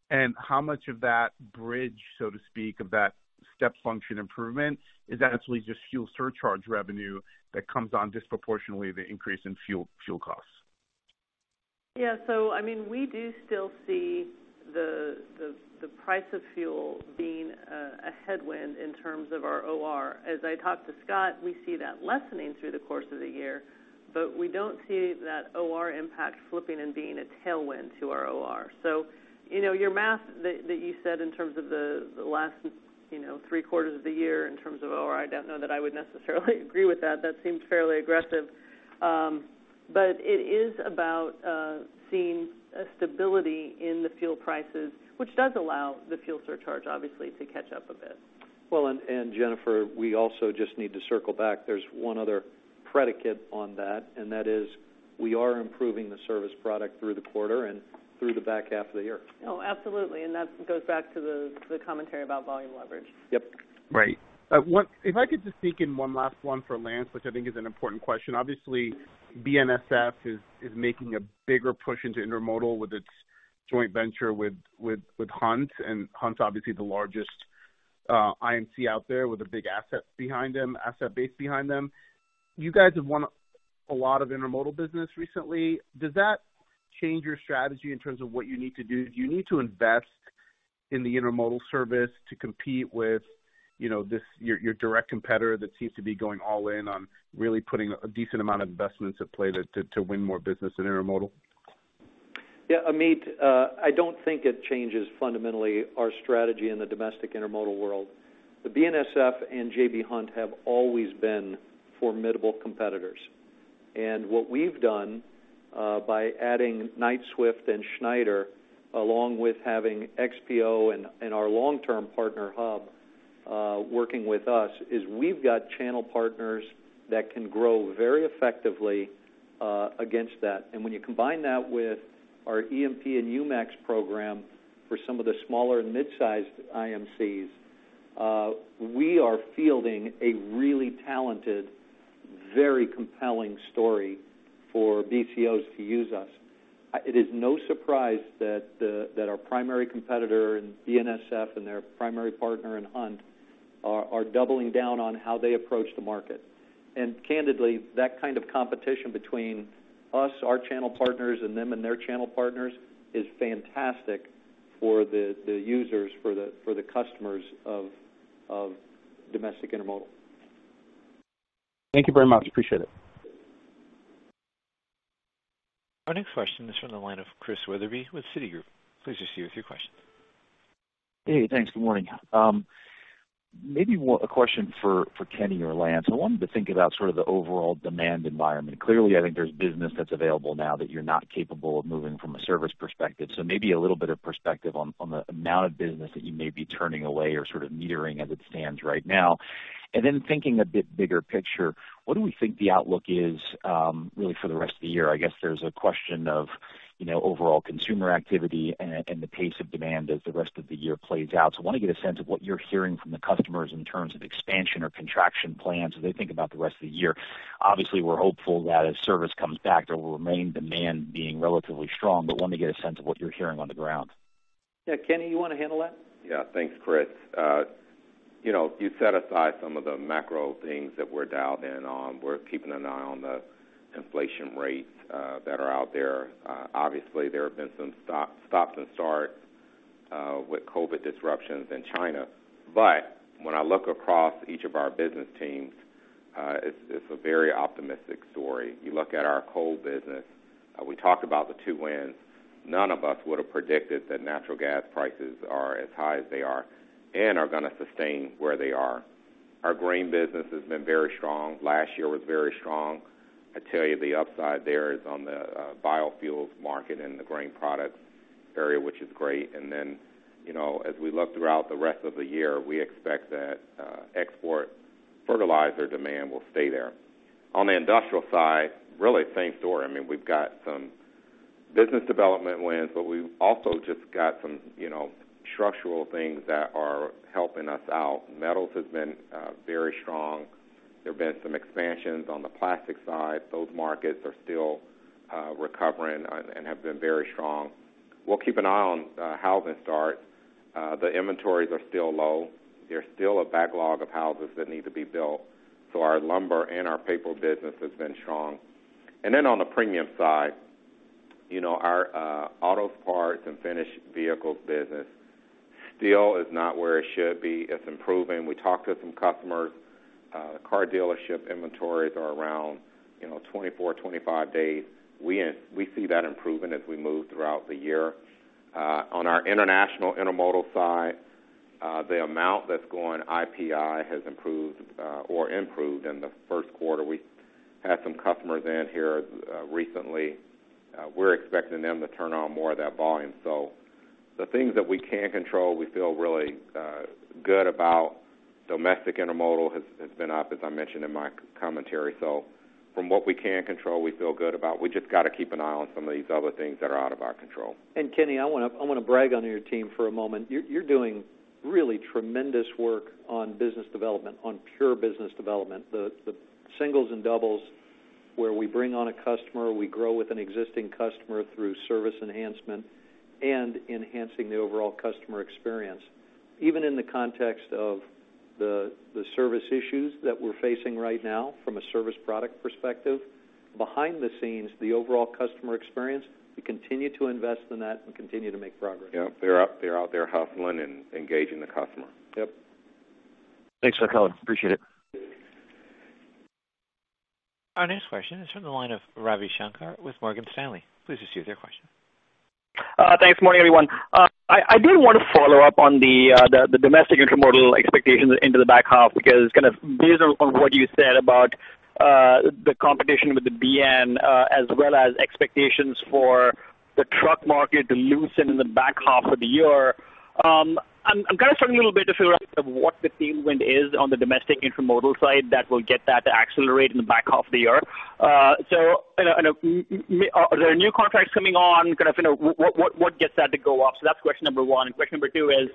and how much of that bridge, so to speak, of that step function improvement is actually just fuel surcharge revenue that comes on disproportionately the increase in fuel costs. Yeah. I mean, we do still see the price of fuel being a headwind in terms of our OR. As I talked to Scott, we see that lessening through the course of the year, but we don't see that OR impact flipping and being a tailwind to our OR. You know, your math that you said in terms of the last, you know, 3 quarters of the year in terms of OR, I don't know that I would necessarily agree with that. That seems fairly aggressive. It is about seeing a stability in the fuel prices, which does allow the fuel surcharge obviously to catch up a bit. Well, Jennifer, we also just need to circle back. There's one other predicate on that, and that is we are improving the service product through the quarter and through the back half of the year. Oh, absolutely. That goes back to the commentary about volume leverage. Yep. Right. One—if I could just sneak in one last one for Lance, which I think is an important question. Obviously, BNSF is making a bigger push into intermodal with its joint venture with Hunt, and Hunt's obviously the largest IMC out there with a big asset base behind them. You guys have won a lot of intermodal business recently. Does that change your strategy in terms of what you need to do? Do you need to invest in the intermodal service to compete with, you know, this, your direct competitor that seems to be going all in on really putting a decent amount of investments at play to win more business in intermodal? Yeah, Amit, I don't think it changes fundamentally our strategy in the domestic intermodal world. The BNSF and J.B. Hunt have always been formidable competitors. What we've done, by adding Knight-Swift and Schneider, along with having XPO and our long-term partner, Hub, working with us, is we've got channel partners that can grow very effectively, against that. When you combine that with our EMP and UMAX program for some of the smaller and mid-sized IMCs, we are fielding a really talented, very compelling story for BCOs to use us. It is no surprise that our primary competitor in BNSF and their primary partner in Hunt are doubling down on how they approach the market. Candidly, that kind of competition between us, our channel partners, and them and their channel partners is fantastic for the users, for the customers of domestic intermodal. Thank you very much. Appreciate it. Our next question is from the line of Chris Wetherbee with Citigroup. Please proceed with your question. Hey, thanks. Good morning. Maybe a question for Kenny or Lance. I want you to think about sort of the overall demand environment. Clearly, I think there's business that's available now that you're not capable of moving from a service perspective. So maybe a little bit of perspective on the amount of business that you may be turning away or sort of metering as it stands right now. Then thinking a bit bigger picture, what do we think the outlook is, really for the rest of the year? I guess there's a question of, you know, overall consumer activity and the pace of demand as the rest of the year plays out. So I want to get a sense of what you're hearing from the customers in terms of expansion or contraction plans as they think about the rest of the year. Obviously, we're hopeful that as service comes back, there will remain demand being relatively strong, but want to get a sense of what you're hearing on the ground. Yeah. Kenny, you wanna handle that? Yeah. Thanks, Chris. You know, you set aside some of the macro things that we're dialed in on. We're keeping an eye on the inflation rates that are out there. Obviously, there have been some stop and start with COVID disruptions in China. When I look across each of our business teams, it's a very optimistic story. You look at our coal business, we talked about the two wins. None of us would have predicted that natural gas prices are as high as they are and are gonna sustain where they are. Our grain business has been very strong. Last year was very strong. I tell you the upside there is on the biofuels market and the grain products area, which is great. Then, you know, as we look throughout the rest of the year, we expect that export fertilizer demand will stay there. On the industrial side, really same story. I mean, we've got some business development wins, but we've also just got some, you know, structural things that are helping us out. Metals has been very strong. There have been some expansions on the plastic side. Those markets are still recovering and have been very strong. We'll keep an eye on housing starts. The inventories are still low. There's still a backlog of houses that need to be built. Our lumber and our paper business has been strong. Then on the premium side, you know, our auto parts and finished vehicles business still is not where it should be. It's improving. We talked to some customers. Car dealership inventories are around, you know, 24-25 days. We see that improving as we move throughout the year. On our international intermodal side, the amount that's going IPI has improved in the 1st quarter. We had some customers in here recently. We're expecting them to turn on more of that volume. The things that we can control, we feel really good about. Domestic intermodal has been up, as I mentioned in my commentary. From what we can control, we feel good about. We just gotta keep an eye on some of these other things that are out of our control. Kenny, I wanna brag on your team for a moment. You're doing really tremendous work on business development, on pure business development, the singles and doubles where we bring on a customer, we grow with an existing customer through service enhancement and enhancing the overall customer experience. Even in the context of the service issues that we're facing right now from a service product perspective, behind the scenes, the overall customer experience, we continue to invest in that and continue to make progress. Yep. They're out there hustling and engaging the customer. Yep. Thanks, sir. Appreciate it. Our next question is from the line of Ravi Shanker with Morgan Stanley. Please proceed with your question. Thanks. Morning, everyone. I did want to follow up on the domestic intermodal expectations into the back half because kind of based on what you said about the competition with the BN, as well as expectations for the truck market to loosen in the back half of the year, I'm kind of struggling a little bit to figure out kind of what the tailwind is on the domestic intermodal side that will get that to accelerate in the back half of the year. You know, are there new contracts coming on? Kind of, you know, what gets that to go off? That's question number one. Question number two is,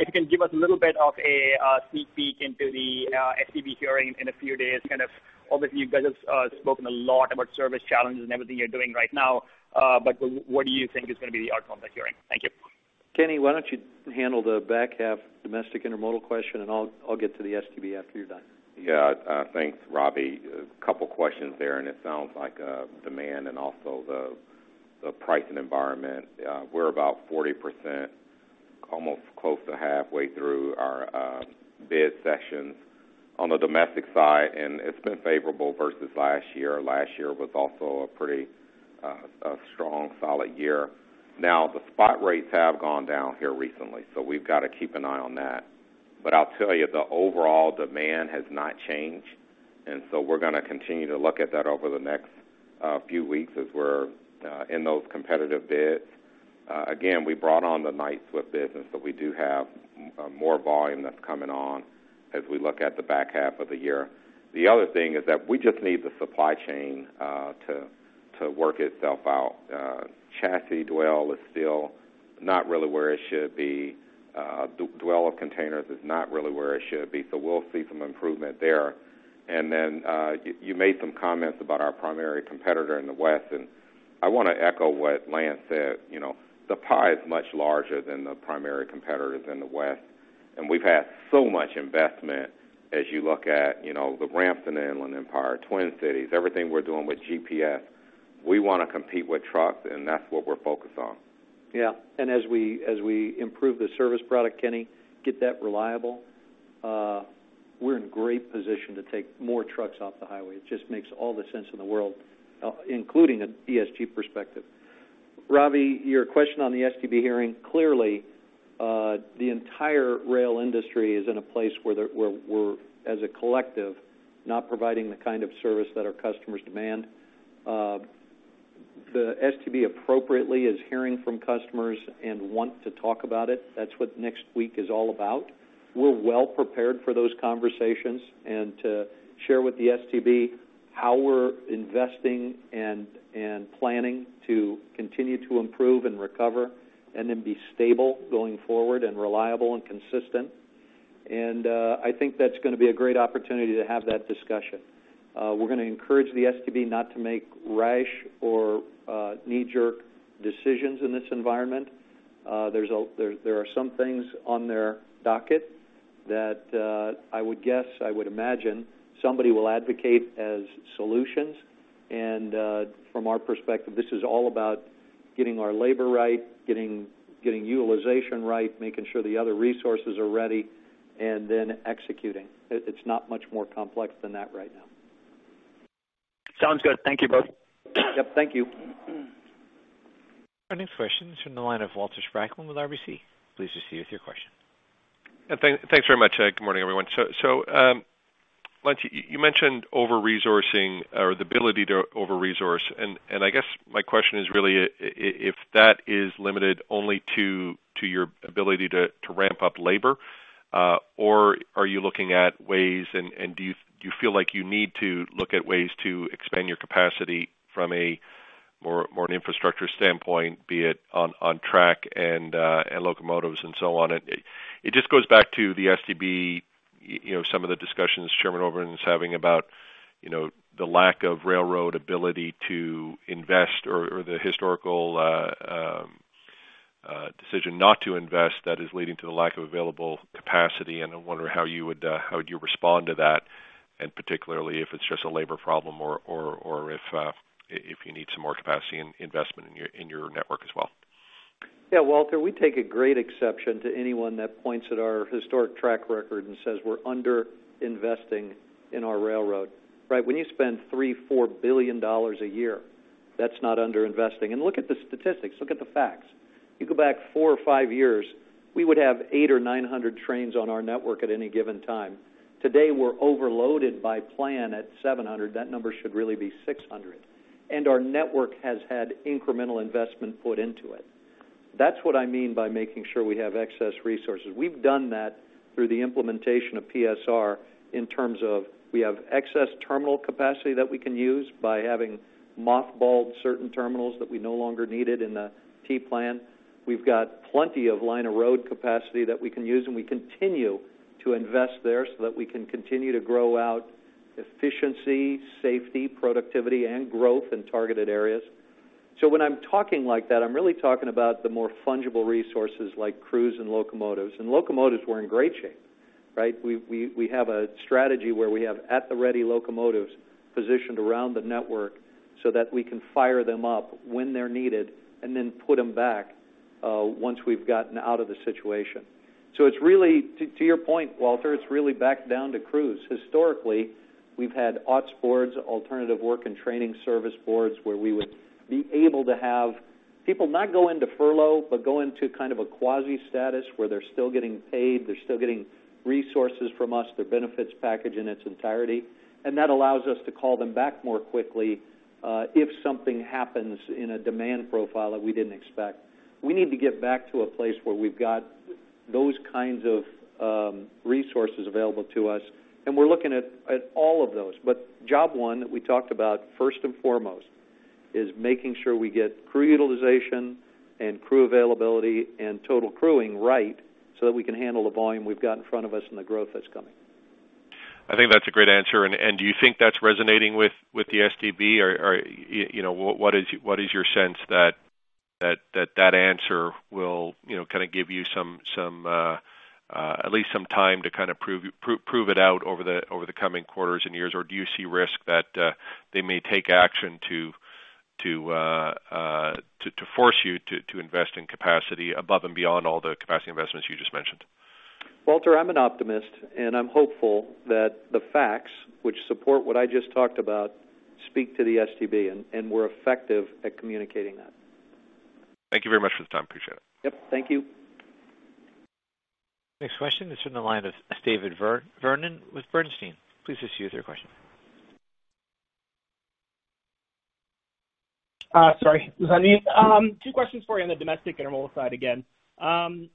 if you can give us a little bit of a sneak peek into the STB hearing in a few days, kind of obviously, you guys have spoken a lot about service challenges and everything you're doing right now. But what do you think is gonna be the outcome of that hearing? Thank you. Kenny, why don't you handle the back half domestic intermodal question, and I'll get to the STB after you're done. Yeah. Thanks, Ravi. A couple of questions there, and it sounds like demand and also the pricing environment. We're about 40%, almost close to halfway through our bid sessions on the domestic side, and it's been favorable versus last year. Last year was also a pretty strong, solid year. Now, the spot rates have gone down here recently, so we've got to keep an eye on that. I'll tell you, the overall demand has not changed, and we're gonna continue to look at that over the next few weeks as we're in those competitive bids. Again, we brought on the Knight-Swift business, but we do have more volume that's coming on as we look at the back half of the year. The other thing is that we just need the supply chain to work itself out. Chassis dwell is still not really where it should be. Dwell of containers is not really where it should be, so we'll see some improvement there. You made some comments about our primary competitor in the West, and I wanna echo what Lance said. You know, the pie is much larger than the primary competitors in the West. We've had so much investment as you look at, you know, the ramps in Inland Empire, Twin Cities, everything we're doing with GPS. We wanna compete with trucks, and that's what we're focused on. Yeah. As we improve the service product, Kenny, get that reliable, we're in great position to take more trucks off the highway. It just makes all the sense in the world, including an ESG perspective. Ravi, your question on the STB hearing, clearly, the entire rail industry is in a place where we're as a collective, not providing the kind of service that our customers demand. The STB appropriately is hearing from customers and want to talk about it. That's what next week is all about. We're well prepared for those conversations and to share with the STB how we're investing and planning to continue to improve and recover and then be stable going forward and reliable and consistent. I think that's gonna be a great opportunity to have that discussion. We're gonna encourage the STB not to make rash or knee-jerk decisions in this environment. There are some things on their docket that I would guess, I would imagine somebody will advocate as solutions. From our perspective, this is all about getting our labor right, getting utilization right, making sure the other resources are ready, and then executing. It's not much more complex than that right now. Sounds good. Thank you both. Yep, thank you. Our next question is from the line of Walter Spracklin with RBC. Please proceed with your question. Thanks very much. Good morning, everyone. Lance, you mentioned over-resourcing or the ability to over-resource. I guess my question is really if that is limited only to your ability to ramp up labor, or are you looking at ways, and do you feel like you need to look at ways to expand your capacity from a more infrastructure standpoint, be it on track and locomotives and so on. It just goes back to the STB, you know, some of the discussions Chairman Oberman is having about, you know, the lack of railroad ability to invest or the historical decision not to invest that is leading to the lack of available capacity. I wonder how you would respond to that, and particularly if it's just a labor problem or if you need some more capacity and investment in your network as well. Yeah, Walter, we take a great exception to anyone that points at our historic track record and says we're under-investing in our railroad, right? When you spend $3 billion-$4 billion a year, that's not under-investing. Look at the statistics, look at the facts. You go back 4 or 5 years, we would have 800 or 900 trains on our network at any given time. Today, we're overloaded by plan at 700. That number should really be 600. Our network has had incremental investment put into it. That's what I mean by making sure we have excess resources. We've done that through the implementation of PSR in terms of we have excess terminal capacity that we can use by having mothballed certain terminals that we no longer needed in the T plan. We've got plenty of line of road capacity that we can use, and we continue to invest there so that we can continue to grow out efficiency, safety, productivity and growth in targeted areas. When I'm talking like that, I'm really talking about the more fungible resources like crews and locomotives. Locomotives were in great shape, right? We have a strategy where we have at-the-ready locomotives positioned around the network so that we can fire them up when they're needed and then put them back once we've gotten out of the situation. It's really to your point, Walter, it's really back down to crews. Historically, we've had AWTS boards, alternative work and training service boards, where we would be able to have people not go into furlough, but go into kind of a quasi status where they're still getting paid, they're still getting resources from us, their benefits package in its entirety. That allows us to call them back more quickly, if something happens in a demand profile that we didn't expect. We need to get back to a place where we've got those kinds of resources available to us, and we're looking at all of those. Job one that we talked about first and foremost is making sure we get crew utilization and crew availability and total crewing right so that we can handle the volume we've got in front of us and the growth that's coming. I think that's a great answer. Do you think that's resonating with the STB? Or you know, what is your sense that that answer will you know, kind of give you some at least some time to kind of prove it out over the coming quarters and years? Or do you see risk that they may take action to force you to invest in capacity above and beyond all the capacity investments you just mentioned? Walter, I'm an optimist, and I'm hopeful that the facts, which support what I just talked about, speak to the STB and we're effective at communicating that. Thank you very much for the time. Appreciate it. Yep. Thank you. Next question is from the line of David Vernon with Bernstein. Please just use your question. Sorry. Was I muted? Two questions for you on the domestic intermodal side again.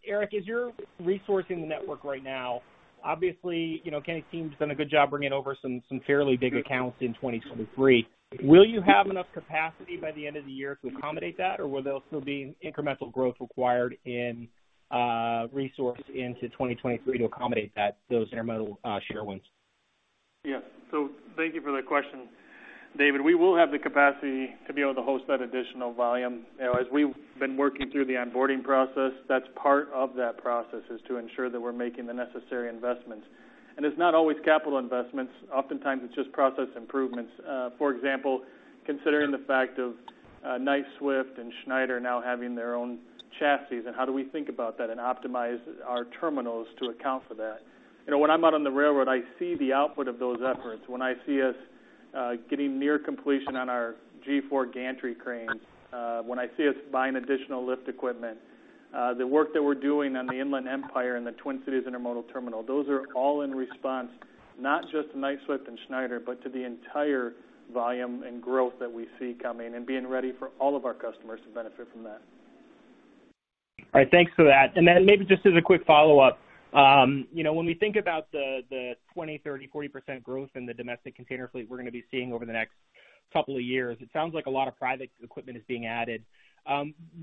Eric, as you're resourcing the network right now, obviously, you know, Kenny's team's done a good job bringing over some fairly big accounts in 2023. Will you have enough capacity by the end of the year to accommodate that, or will there still be incremental growth required in resourcing into 2023 to accommodate those intermodal share wins? Yes. Thank you for that question, David. We will have the capacity to be able to host that additional volume. You know, as we've been working through the onboarding process, that's part of that process, is to ensure that we're making the necessary investments. It's not always capital investments. Oftentimes, it's just process improvements. For example, considering the fact of, Knight-Swift and Schneider now having their own chassis, and how do we think about that and optimize our terminals to account for that? You know, when I'm out on the railroad, I see the output of those efforts. When I see us getting near completion on our G4 gantry cranes, when I see us buying additional lift equipment, the work that we're doing on the Inland Empire and the Twin Cities Intermodal Terminal, those are all in response, not just to Knight-Swift and Schneider, but to the entire volume and growth that we see coming and being ready for all of our customers to benefit from that. All right. Thanks for that. Maybe just as a quick follow-up, you know, when we think about the 20, 30, 40% growth in the domestic container fleet we're gonna be seeing over the next couple of years, it sounds like a lot of private equipment is being added.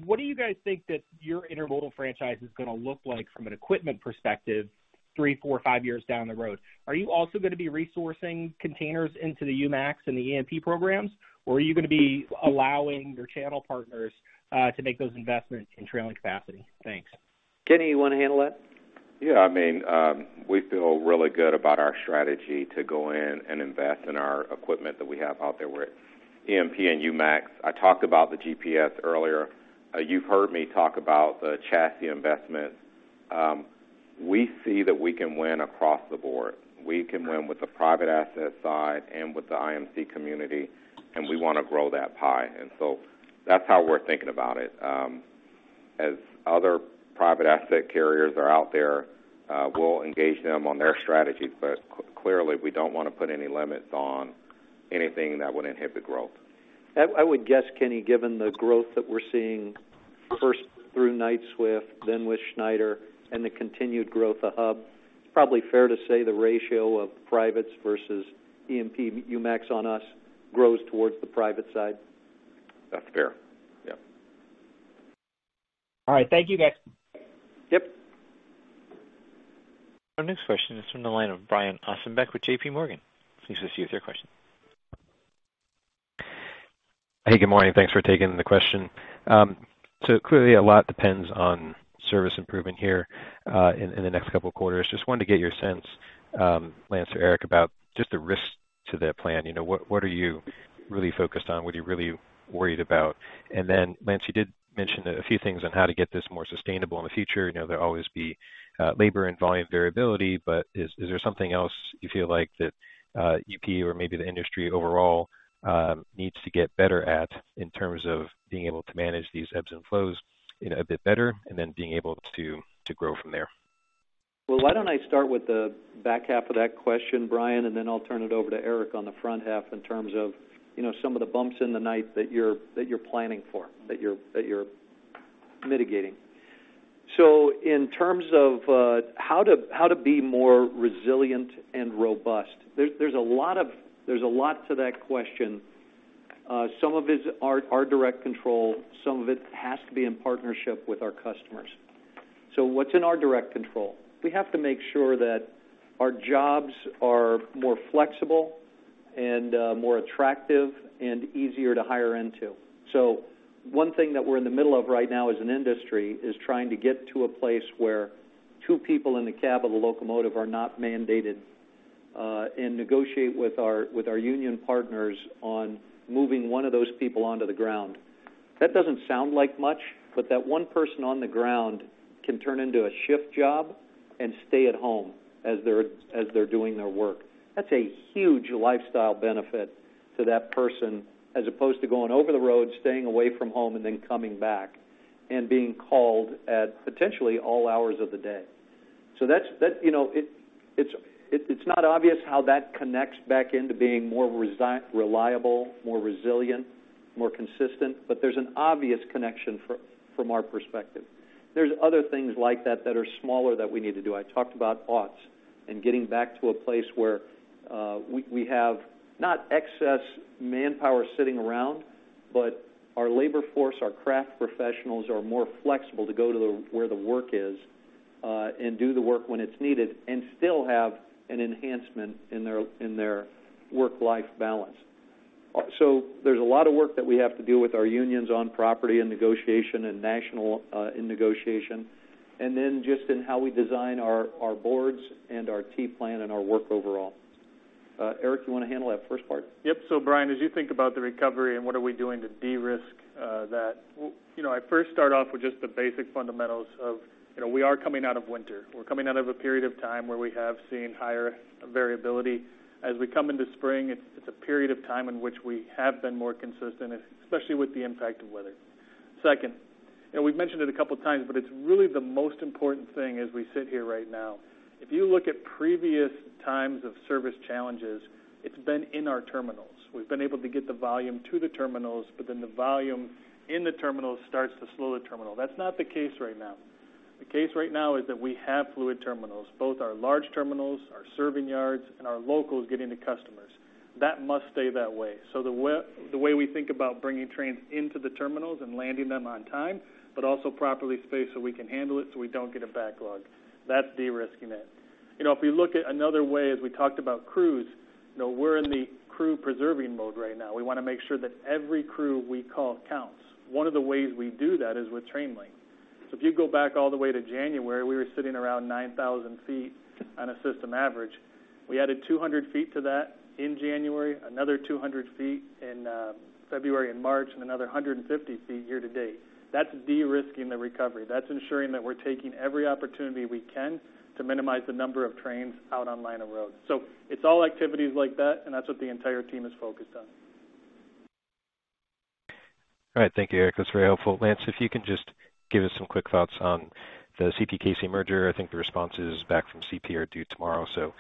What do you guys think that your intermodal franchise is gonna look like from an equipment perspective, 3, 4, 5 years down the road? Are you also gonna be resourcing containers into the UMAX and the EMP programs, or are you gonna be allowing your channel partners to make those investments in trailing capacity? Thanks. Kenny, you wanna handle that? Yeah, I mean, we feel really good about our strategy to go in and invest in our equipment that we have out there with EMP and UMAX. I talked about the GPS earlier. You've heard me talk about the chassis investment. We see that we can win across the board. We can win with the private asset side and with the IMC community, and we wanna grow that pie. That's how we're thinking about it. As other private asset carriers are out there, we'll engage them on their strategies, but clearly, we don't wanna put any limits on anything that would inhibit growth. I would guess, Kenny, given the growth that we're seeing first through Knight-Swift, then with Schneider and the continued growth of Hub, it's probably fair to say the ratio of privates versus EMP UMAX on us grows towards the private side. That's fair. Yep. All right. Thank you, guys. Yep. Our next question is from the line of Brian Ossenbeck with J.P. Morgan. Please proceed with your question. Hey, good morning. Thanks for taking the question. Clearly, a lot depends on service improvement here in the next couple of quarters. Just wanted to get your sense, Lance or Eric, about just the risk to the plan. You know, what are you really focused on? What are you really worried about? Lance, you did mention a few things on how to get this more sustainable in the future. You know, there'll always be labor and volume variability, but is there something else you feel like that UP or maybe the industry overall needs to get better at in terms of being able to manage these ebbs and flows a bit better and then being able to grow from there? Well, why don't I start with the back half of that question, Brian, and then I'll turn it over to Eric on the front half in terms of, you know, some of the bumps in the night that you're planning for, that you're mitigating. In terms of how to be more resilient and robust, there's a lot to that question. Some of it is our direct control, some of it has to be in partnership with our customers. What's in our direct control? We have to make sure that our jobs are more flexible and more attractive and easier to hire into. One thing that we're in the middle of right now as an industry is trying to get to a place where two people in the cab of the locomotive are not mandated and negotiate with our union partners on moving one of those people onto the ground. That doesn't sound like much, but that one person on the ground can turn into a shift job and stay at home as they're doing their work. That's a huge lifestyle benefit to that person as opposed to going over the road, staying away from home, and then coming back and being called at potentially all hours of the day. That's not obvious how that connects back into being more reliable, more resilient, more consistent, but there's an obvious connection from our perspective. There's other things like that that are smaller that we need to do. I talked about AWTS and getting back to a place where we have not excess manpower sitting around, but our labor force, our craft professionals are more flexible to go where the work is and do the work when it's needed and still have an enhancement in their work-life balance. There's a lot of work that we have to do with our unions on property and negotiation and national in negotiation, and then just in how we design our boards and our T-plan and our work overall. Eric, you wanna handle that first part? Yep. Brian, as you think about the recovery and what are we doing to de-risk, that, you know, I first start off with just the basic fundamentals of, you know, we are coming out of winter. We're coming out of a period of time where we have seen higher variability. As we come into spring, it's a period of time in which we have been more consistent, especially with the impact of weather. Second, and we've mentioned it a couple of times, but it's really the most important thing as we sit here right now. If you look at previous times of service challenges, it's been in our terminals. We've been able to get the volume to the terminals, but then the volume in the terminal starts to slow the terminal. That's not the case right now. The case right now is that we have fluid terminals, both our large terminals, our serving yards, and our locals getting to customers. That must stay that way. The way we think about bringing trains into the terminals and landing them on time, but also properly spaced so we can handle it so we don't get a backlog. That's de-risking it. You know, if we look at another way, as we talked about crews, you know, we're in the crew preserving mode right now. We wanna make sure that every crew we call counts. One of the ways we do that is with train length. If you go back all the way to January, we were sitting around 9,000 ft on a system average. We added 200 ft to that in January, another 200 ft in February and March, and another 150 ft year to date. That's de-risking the recovery. That's ensuring that we're taking every opportunity we can to minimize the number of trains out on line of roads. It's all activities like that, and that's what the entire team is focused on. All right. Thank you, Eric. That's very helpful. Lance, if you can just give us some quick thoughts on the CPKC merger. I think the responses back from CP are due tomorrow, so,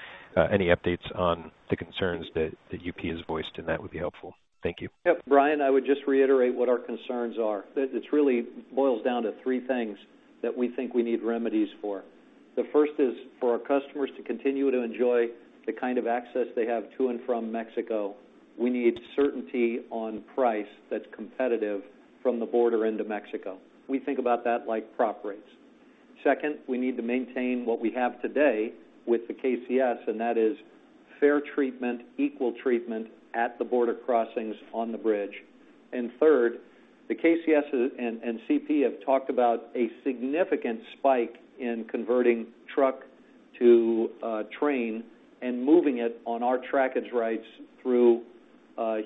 any updates on the concerns that UP has voiced, and that would be helpful. Thank you. Yep. Brian, I would just reiterate what our concerns are. It really boils down to three things that we think we need remedies for. The first is for our customers to continue to enjoy the kind of access they have to and from Mexico, we need certainty on price that's competitive from the border into Mexico. We think about that like prop rates. Second, we need to maintain what we have today with the KCS, and that is fair treatment, equal treatment at the border crossings on the bridge. Third, the KCS and CP have talked about a significant spike in converting truck to train and moving it on our trackage rights through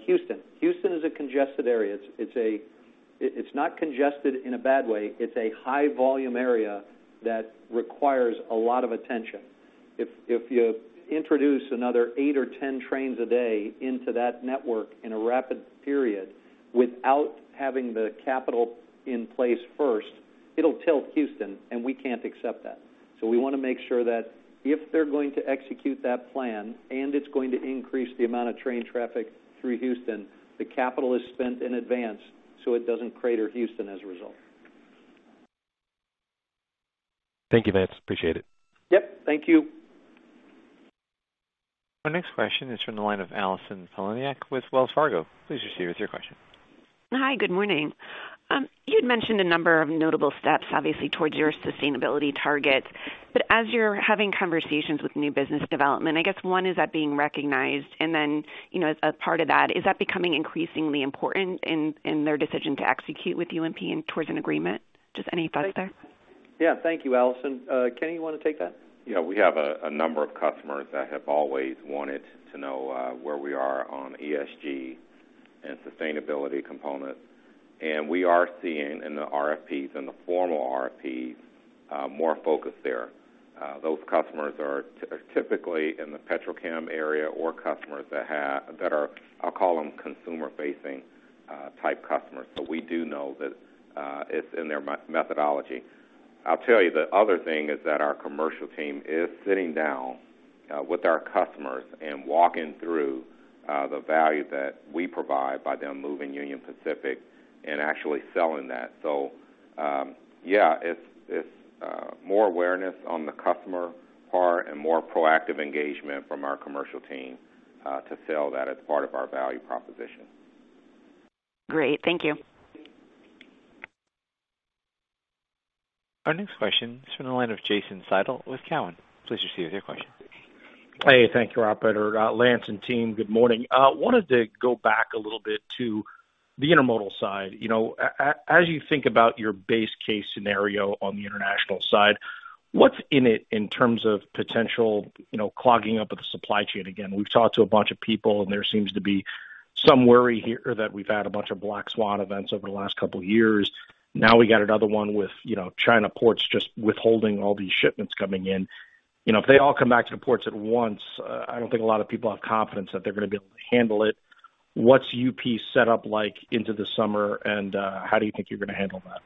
Houston. Houston is a congested area. It's not congested in a bad way. It's a high volume area that requires a lot of attention. If you introduce another 8 or 10 trains a day into that network in a rapid period without having the capital in place first. It'll tilt Houston, and we can't accept that. We wanna make sure that if they're going to execute that plan and it's going to increase the amount of train traffic through Houston, the capital is spent in advance so it doesn't crater Houston as a result. Thank you, Lance. I appreciate it. Yep, thank you. Our next question is from the line of Allison Poliniak with Wells Fargo. Please proceed with your question. Hi, good morning. You'd mentioned a number of notable steps, obviously, towards your sustainability target. As you're having conversations with new business development, I guess one, is that being recognized? Then, you know, as a part of that, is that becoming increasingly important in their decision to execute with UP and towards an agreement? Just any thoughts there? Yeah, thank you, Allison. Kenny, you wanna take that? Yeah, we have a number of customers that have always wanted to know where we are on ESG and sustainability components, and we are seeing in the RFPs, in the formal RFPs, more focus there. Those customers are typically in the Petrochem area or customers that are, I'll call them consumer-facing type customers. We do know that it's in their methodology. I'll tell you the other thing is that our commercial team is sitting down with our customers and walking through the value that we provide by them moving Union Pacific and actually selling that. Yeah, it's more awareness on the customer part and more proactive engagement from our commercial team to sell that as part of our value proposition. Great. Thank you. Our next question is from the line of Jason Seidl with Cowen. Please proceed with your question. Hey, thank you, operator. Lance and team, good morning. Wanted to go back a little bit to the intermodal side. You know, as you think about your base case scenario on the international side, what's in it in terms of potential, you know, clogging up of the supply chain again? We've talked to a bunch of people, and there seems to be some worry here that we've had a bunch of black swan events over the last couple years. Now we got another one with, you know, China ports just withholding all these shipments coming in. You know, if they all come back to the ports at once, I don't think a lot of people have confidence that they're gonna be able to handle it. What's UP set up like into the summer, and how do you think you're gonna handle that?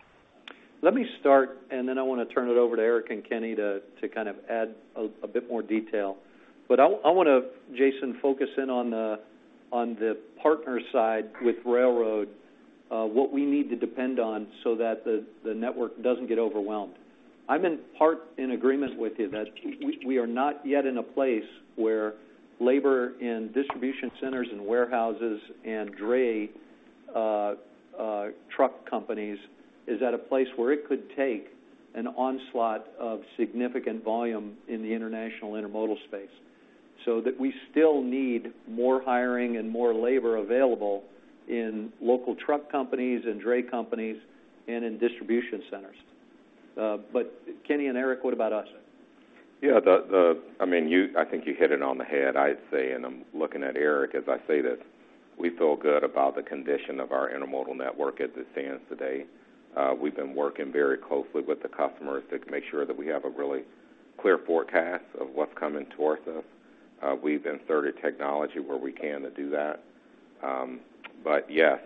Let me start and then I wanna turn it over to Eric and Kenny to kind of add a bit more detail. I wanna, Jason, focus in on the partner side with railroad what we need to depend on so that the network doesn't get overwhelmed. I'm in part in agreement with you that we are not yet in a place where labor in distribution centers and warehouses and dray truck companies is at a place where it could take an onslaught of significant volume in the international intermodal space so that we still need more hiring and more labor available in local truck companies and dray companies and in distribution centers. Kenny and Eric, what about us? Yeah, I mean, I think you hit it on the head, I'd say, and I'm looking at Eric as I say this. We feel good about the condition of our intermodal network as it stands today. We've been working very closely with the customers to make sure that we have a really clear forecast of what's coming towards us. We've inserted technology where we can to do that. Yes,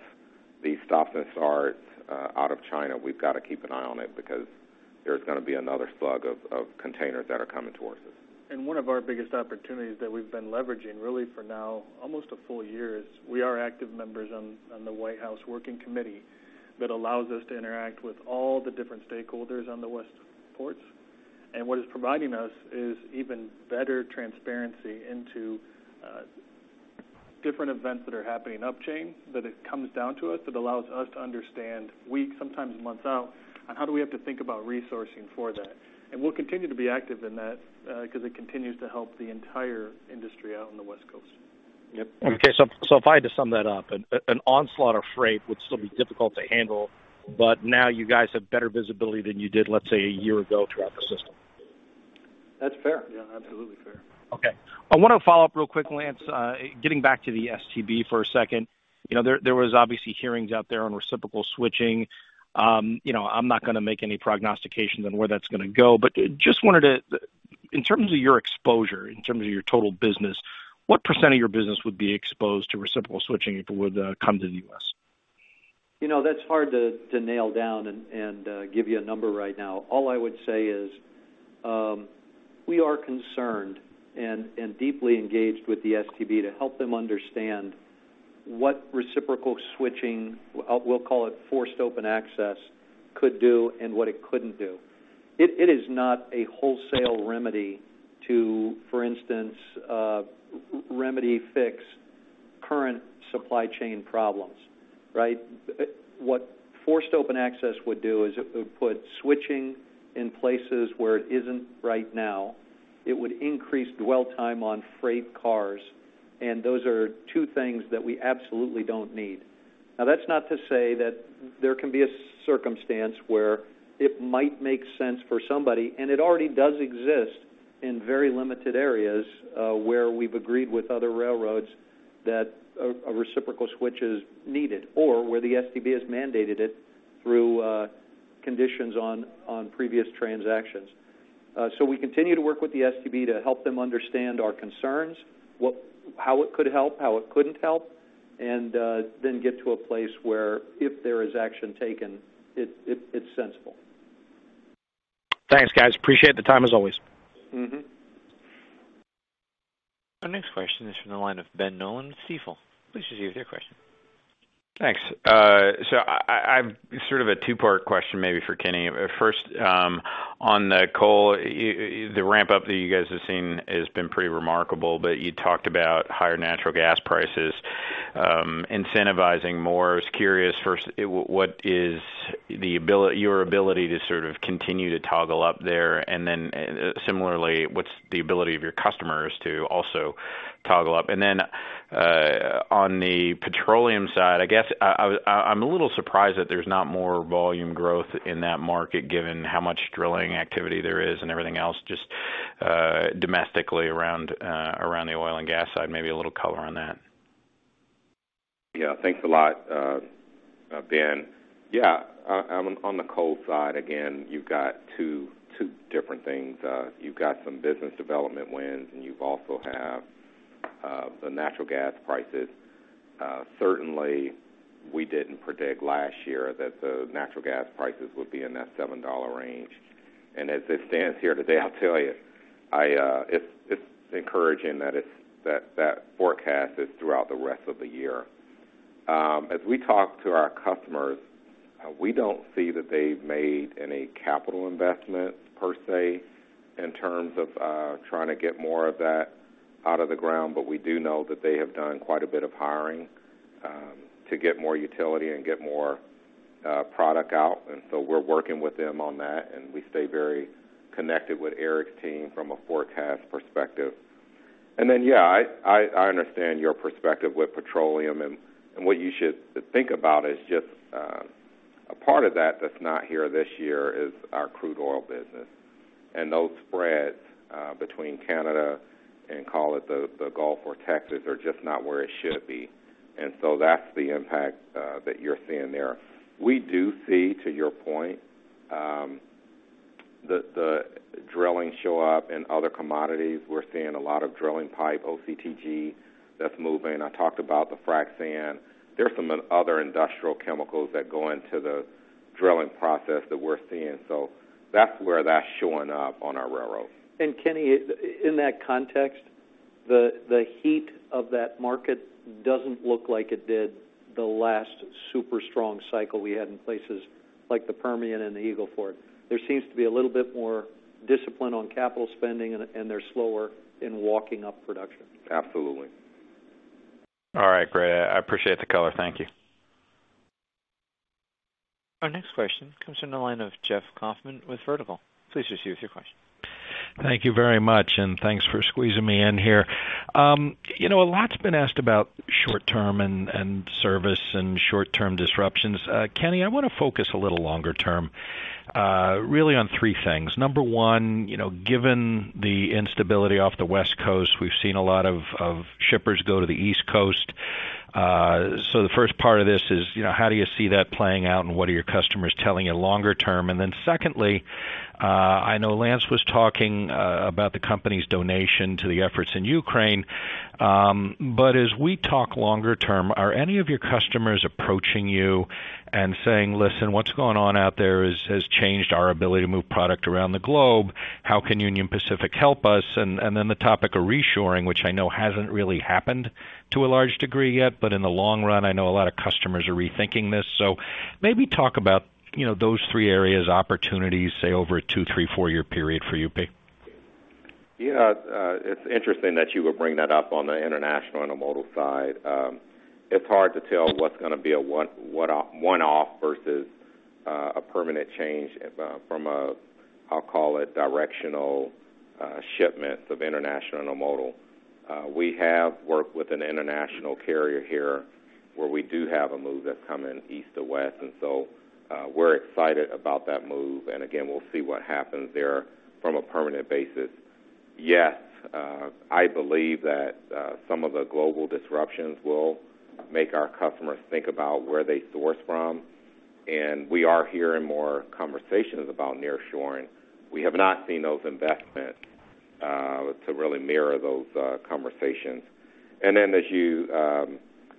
these stop and starts out of China. We've gotta keep an eye on it because there's gonna be another slug of containers that are coming towards us. One of our biggest opportunities that we've been leveraging really for now almost a full year is we are active members on the White House working committee that allows us to interact with all the different stakeholders on the West Coast ports. What it's providing us is even better transparency into different events that are happening upstream, that it comes down to us, it allows us to understand weeks, sometimes months out, on how do we have to think about resourcing for that. We'll continue to be active in that, 'cause it continues to help the entire industry out on the West Coast. Yep. If I had to sum that up, an onslaught of freight would still be difficult to handle, but now you guys have better visibility than you did, let's say, a year ago throughout the system. That's fair. Yeah, absolutely fair. Okay. I wanna follow up real quick, Lance. Getting back to the STB for a second. You know, there was obviously hearings out there on reciprocal switching. You know, I'm not gonna make any prognostications on where that's gonna go, but just wanted to. In terms of your exposure, in terms of your total business, what % of your business would be exposed to reciprocal switching if it would come to the U.S.? You know, that's hard to nail down and give you a number right now. All I would say is, we are concerned and deeply engaged with the STB to help them understand what reciprocal switching, we'll call it forced open access, could do and what it couldn't do. It is not a wholesale remedy to, for instance, remedy fix current supply chain problems, right? What forced open access would do is it would put switching in places where it isn't right now. It would increase dwell time on freight cars, and those are two things that we absolutely don't need. Now, that's not to say that there can be a circumstance where it might make sense for somebody, and it already does exist in very limited areas, where we've agreed with other railroads that a reciprocal switch is needed or where the STB has mandated it through conditions on previous transactions. We continue to work with the STB to help them understand our concerns, how it could help, how it couldn't help, and then get to a place where if there is action taken, it's sensible. Thanks, guys. Appreciate the time, as always. Mm-hmm. Our next question is from the line of Ben Nolan with Stifel. Please proceed with your question. Thanks. So I sort of a two-part question maybe for Kenny. First, on the coal, the ramp up that you guys have seen has been pretty remarkable, but you talked about higher natural gas prices incentivizing more. I was curious first, what is your ability to sort of continue to toggle up there? And then, similarly, what's the ability of your customers to also toggle up? And then, on the petroleum side, I guess, I'm a little surprised that there's not more volume growth in that market given how much drilling activity there is and everything else just domestically around the oil and gas side. Maybe a little color on that. Thanks a lot, Ben. On the coal side, again, you've got 2 different things. You've got some business development wins, and you also have the natural gas prices. Certainly, we didn't predict last year that the natural gas prices would be in that $7 range. As it stands here today, I'll tell you, it's encouraging that that forecast is throughout the rest of the year. As we talk to our customers, we don't see that they've made any capital investment per se in terms of trying to get more of that out of the ground, but we do know that they have done quite a bit of hiring to get more utility and get more product out. We're working with them on that, and we stay very connected with Eric's team from a forecast perspective. Yeah, I understand your perspective with petroleum. What you should think about is just a part of that that's not here this year is our crude oil business. Those spreads between Canada and call it the Gulf or Texas are just not where it should be. That's the impact that you're seeing there. We do see, to your point, the drilling show up in other commodities. We're seeing a lot of drilling pipe, OCTG that's moving. I talked about the frac sand. There's some other industrial chemicals that go into the drilling process that we're seeing. That's where that's showing up on our railroad. Kenny, in that context, the heat of that market doesn't look like it did the last super strong cycle we had in places like the Permian and the Eagle Ford. There seems to be a little bit more discipline on capital spending and they're slower in walking up production. Absolutely. All right. Great. I appreciate the color. Thank you. Our next question comes from the line of Jeff Kauffman with Vertical. Please proceed with your question. Thank you very much, and thanks for squeezing me in here. You know, a lot's been asked about short-term and service and short-term disruptions. Kenny, I wanna focus a little longer term, really on three things. Number one, you know, given the instability off the West Coast, we've seen a lot of shippers go to the East Coast. So the first part of this is, you know, how do you see that playing out, and what are your customers telling you longer term? Secondly, I know Lance was talking about the company's donation to the efforts in Ukraine. As we talk longer term, are any of your customers approaching you and saying, "Listen, what's going on out there has changed our ability to move product around the globe. How can Union Pacific help us?" The topic of reshoring, which I know hasn't really happened to a large degree yet, but in the long run, I know a lot of customers are rethinking this. Maybe talk about, you know, those three areas, opportunities, say over a two, three, four-year period for UP. Yeah. It's interesting that you would bring that up on the international intermodal side. It's hard to tell what's gonna be a one-off versus a permanent change from a, I'll call it directional shipments of international intermodal. We have worked with an international carrier here, where we do have a move that's coming east to west, and so we're excited about that move. We'll see what happens there from a permanent basis. Yes, I believe that some of the global disruptions will make our customers think about where they source from, and we are hearing more conversations about nearshoring. We have not seen those investments to really mirror those conversations. Then as you, I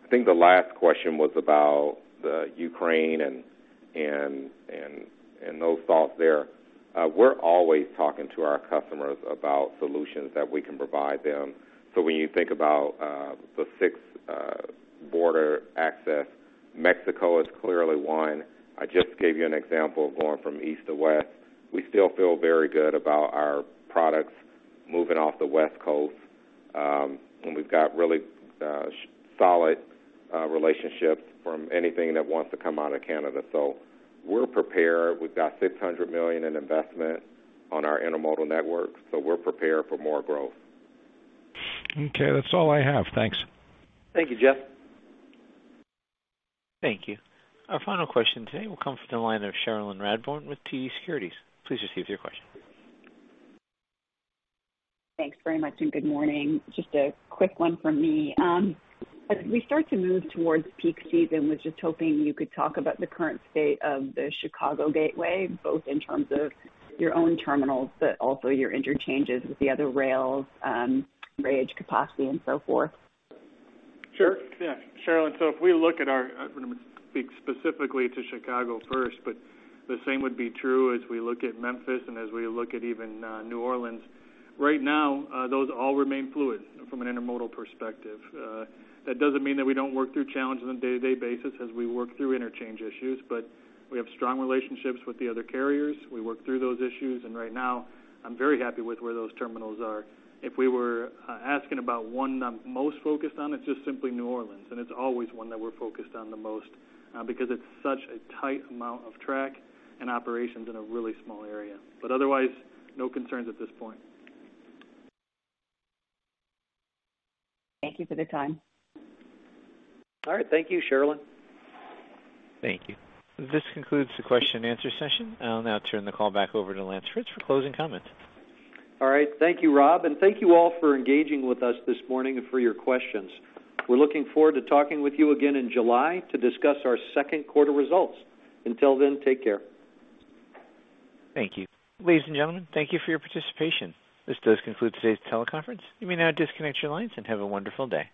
think the last question was about Ukraine and those thoughts there. We're always talking to our customers about solutions that we can provide them. When you think about the six border access, Mexico is clearly one. I just gave you an example of going from east to west. We still feel very good about our products moving off the West Coast, and we've got really solid relationships from anything that wants to come out of Canada. We're prepared. We've got $600 million in investment on our intermodal network, so we're prepared for more growth. Okay. That's all I have. Thanks. Thank you, Jeff. Thank you. Our final question today will come from the line of Cherilyn Radbourne with TD Cowen. Please proceed with your question. Thanks very much, and good morning. Just a quick one from me. As we start to move towards peak season, was just hoping you could talk about the current state of the Chicago gateway, both in terms of your own terminals, but also your interchanges with the other rails, grade capacity and so forth. Sure. Yeah. Sherilyn, so if we look at our, I'm gonna speak specifically to Chicago first, but the same would be true as we look at Memphis and as we look at even New Orleans. Right now, those all remain fluid from an intermodal perspective. That doesn't mean that we don't work through challenges on a day-to-day basis as we work through interchange issues, but we have strong relationships with the other carriers. We work through those issues, and right now I'm very happy with where those terminals are. If we were asking about one I'm most focused on, it's just simply New Orleans, and it's always one that we're focused on the most, because it's such a tight amount of track and operations in a really small area. Otherwise, no concerns at this point. Thank you for the time. All right. Thank you, Cherilyn. Thank you. This concludes the question and answer session. I'll now turn the call back over to Lance Fritz for closing comments. All right. Thank you, Rob, and thank you all for engaging with us this morning and for your questions. We're looking forward to talking with you again in July to discuss our 2nd quarter results. Until then, take care. Thank you. Ladies and gentlemen, thank you for your participation. This does conclude today's teleconference. You may now disconnect your lines and have a wonderful day.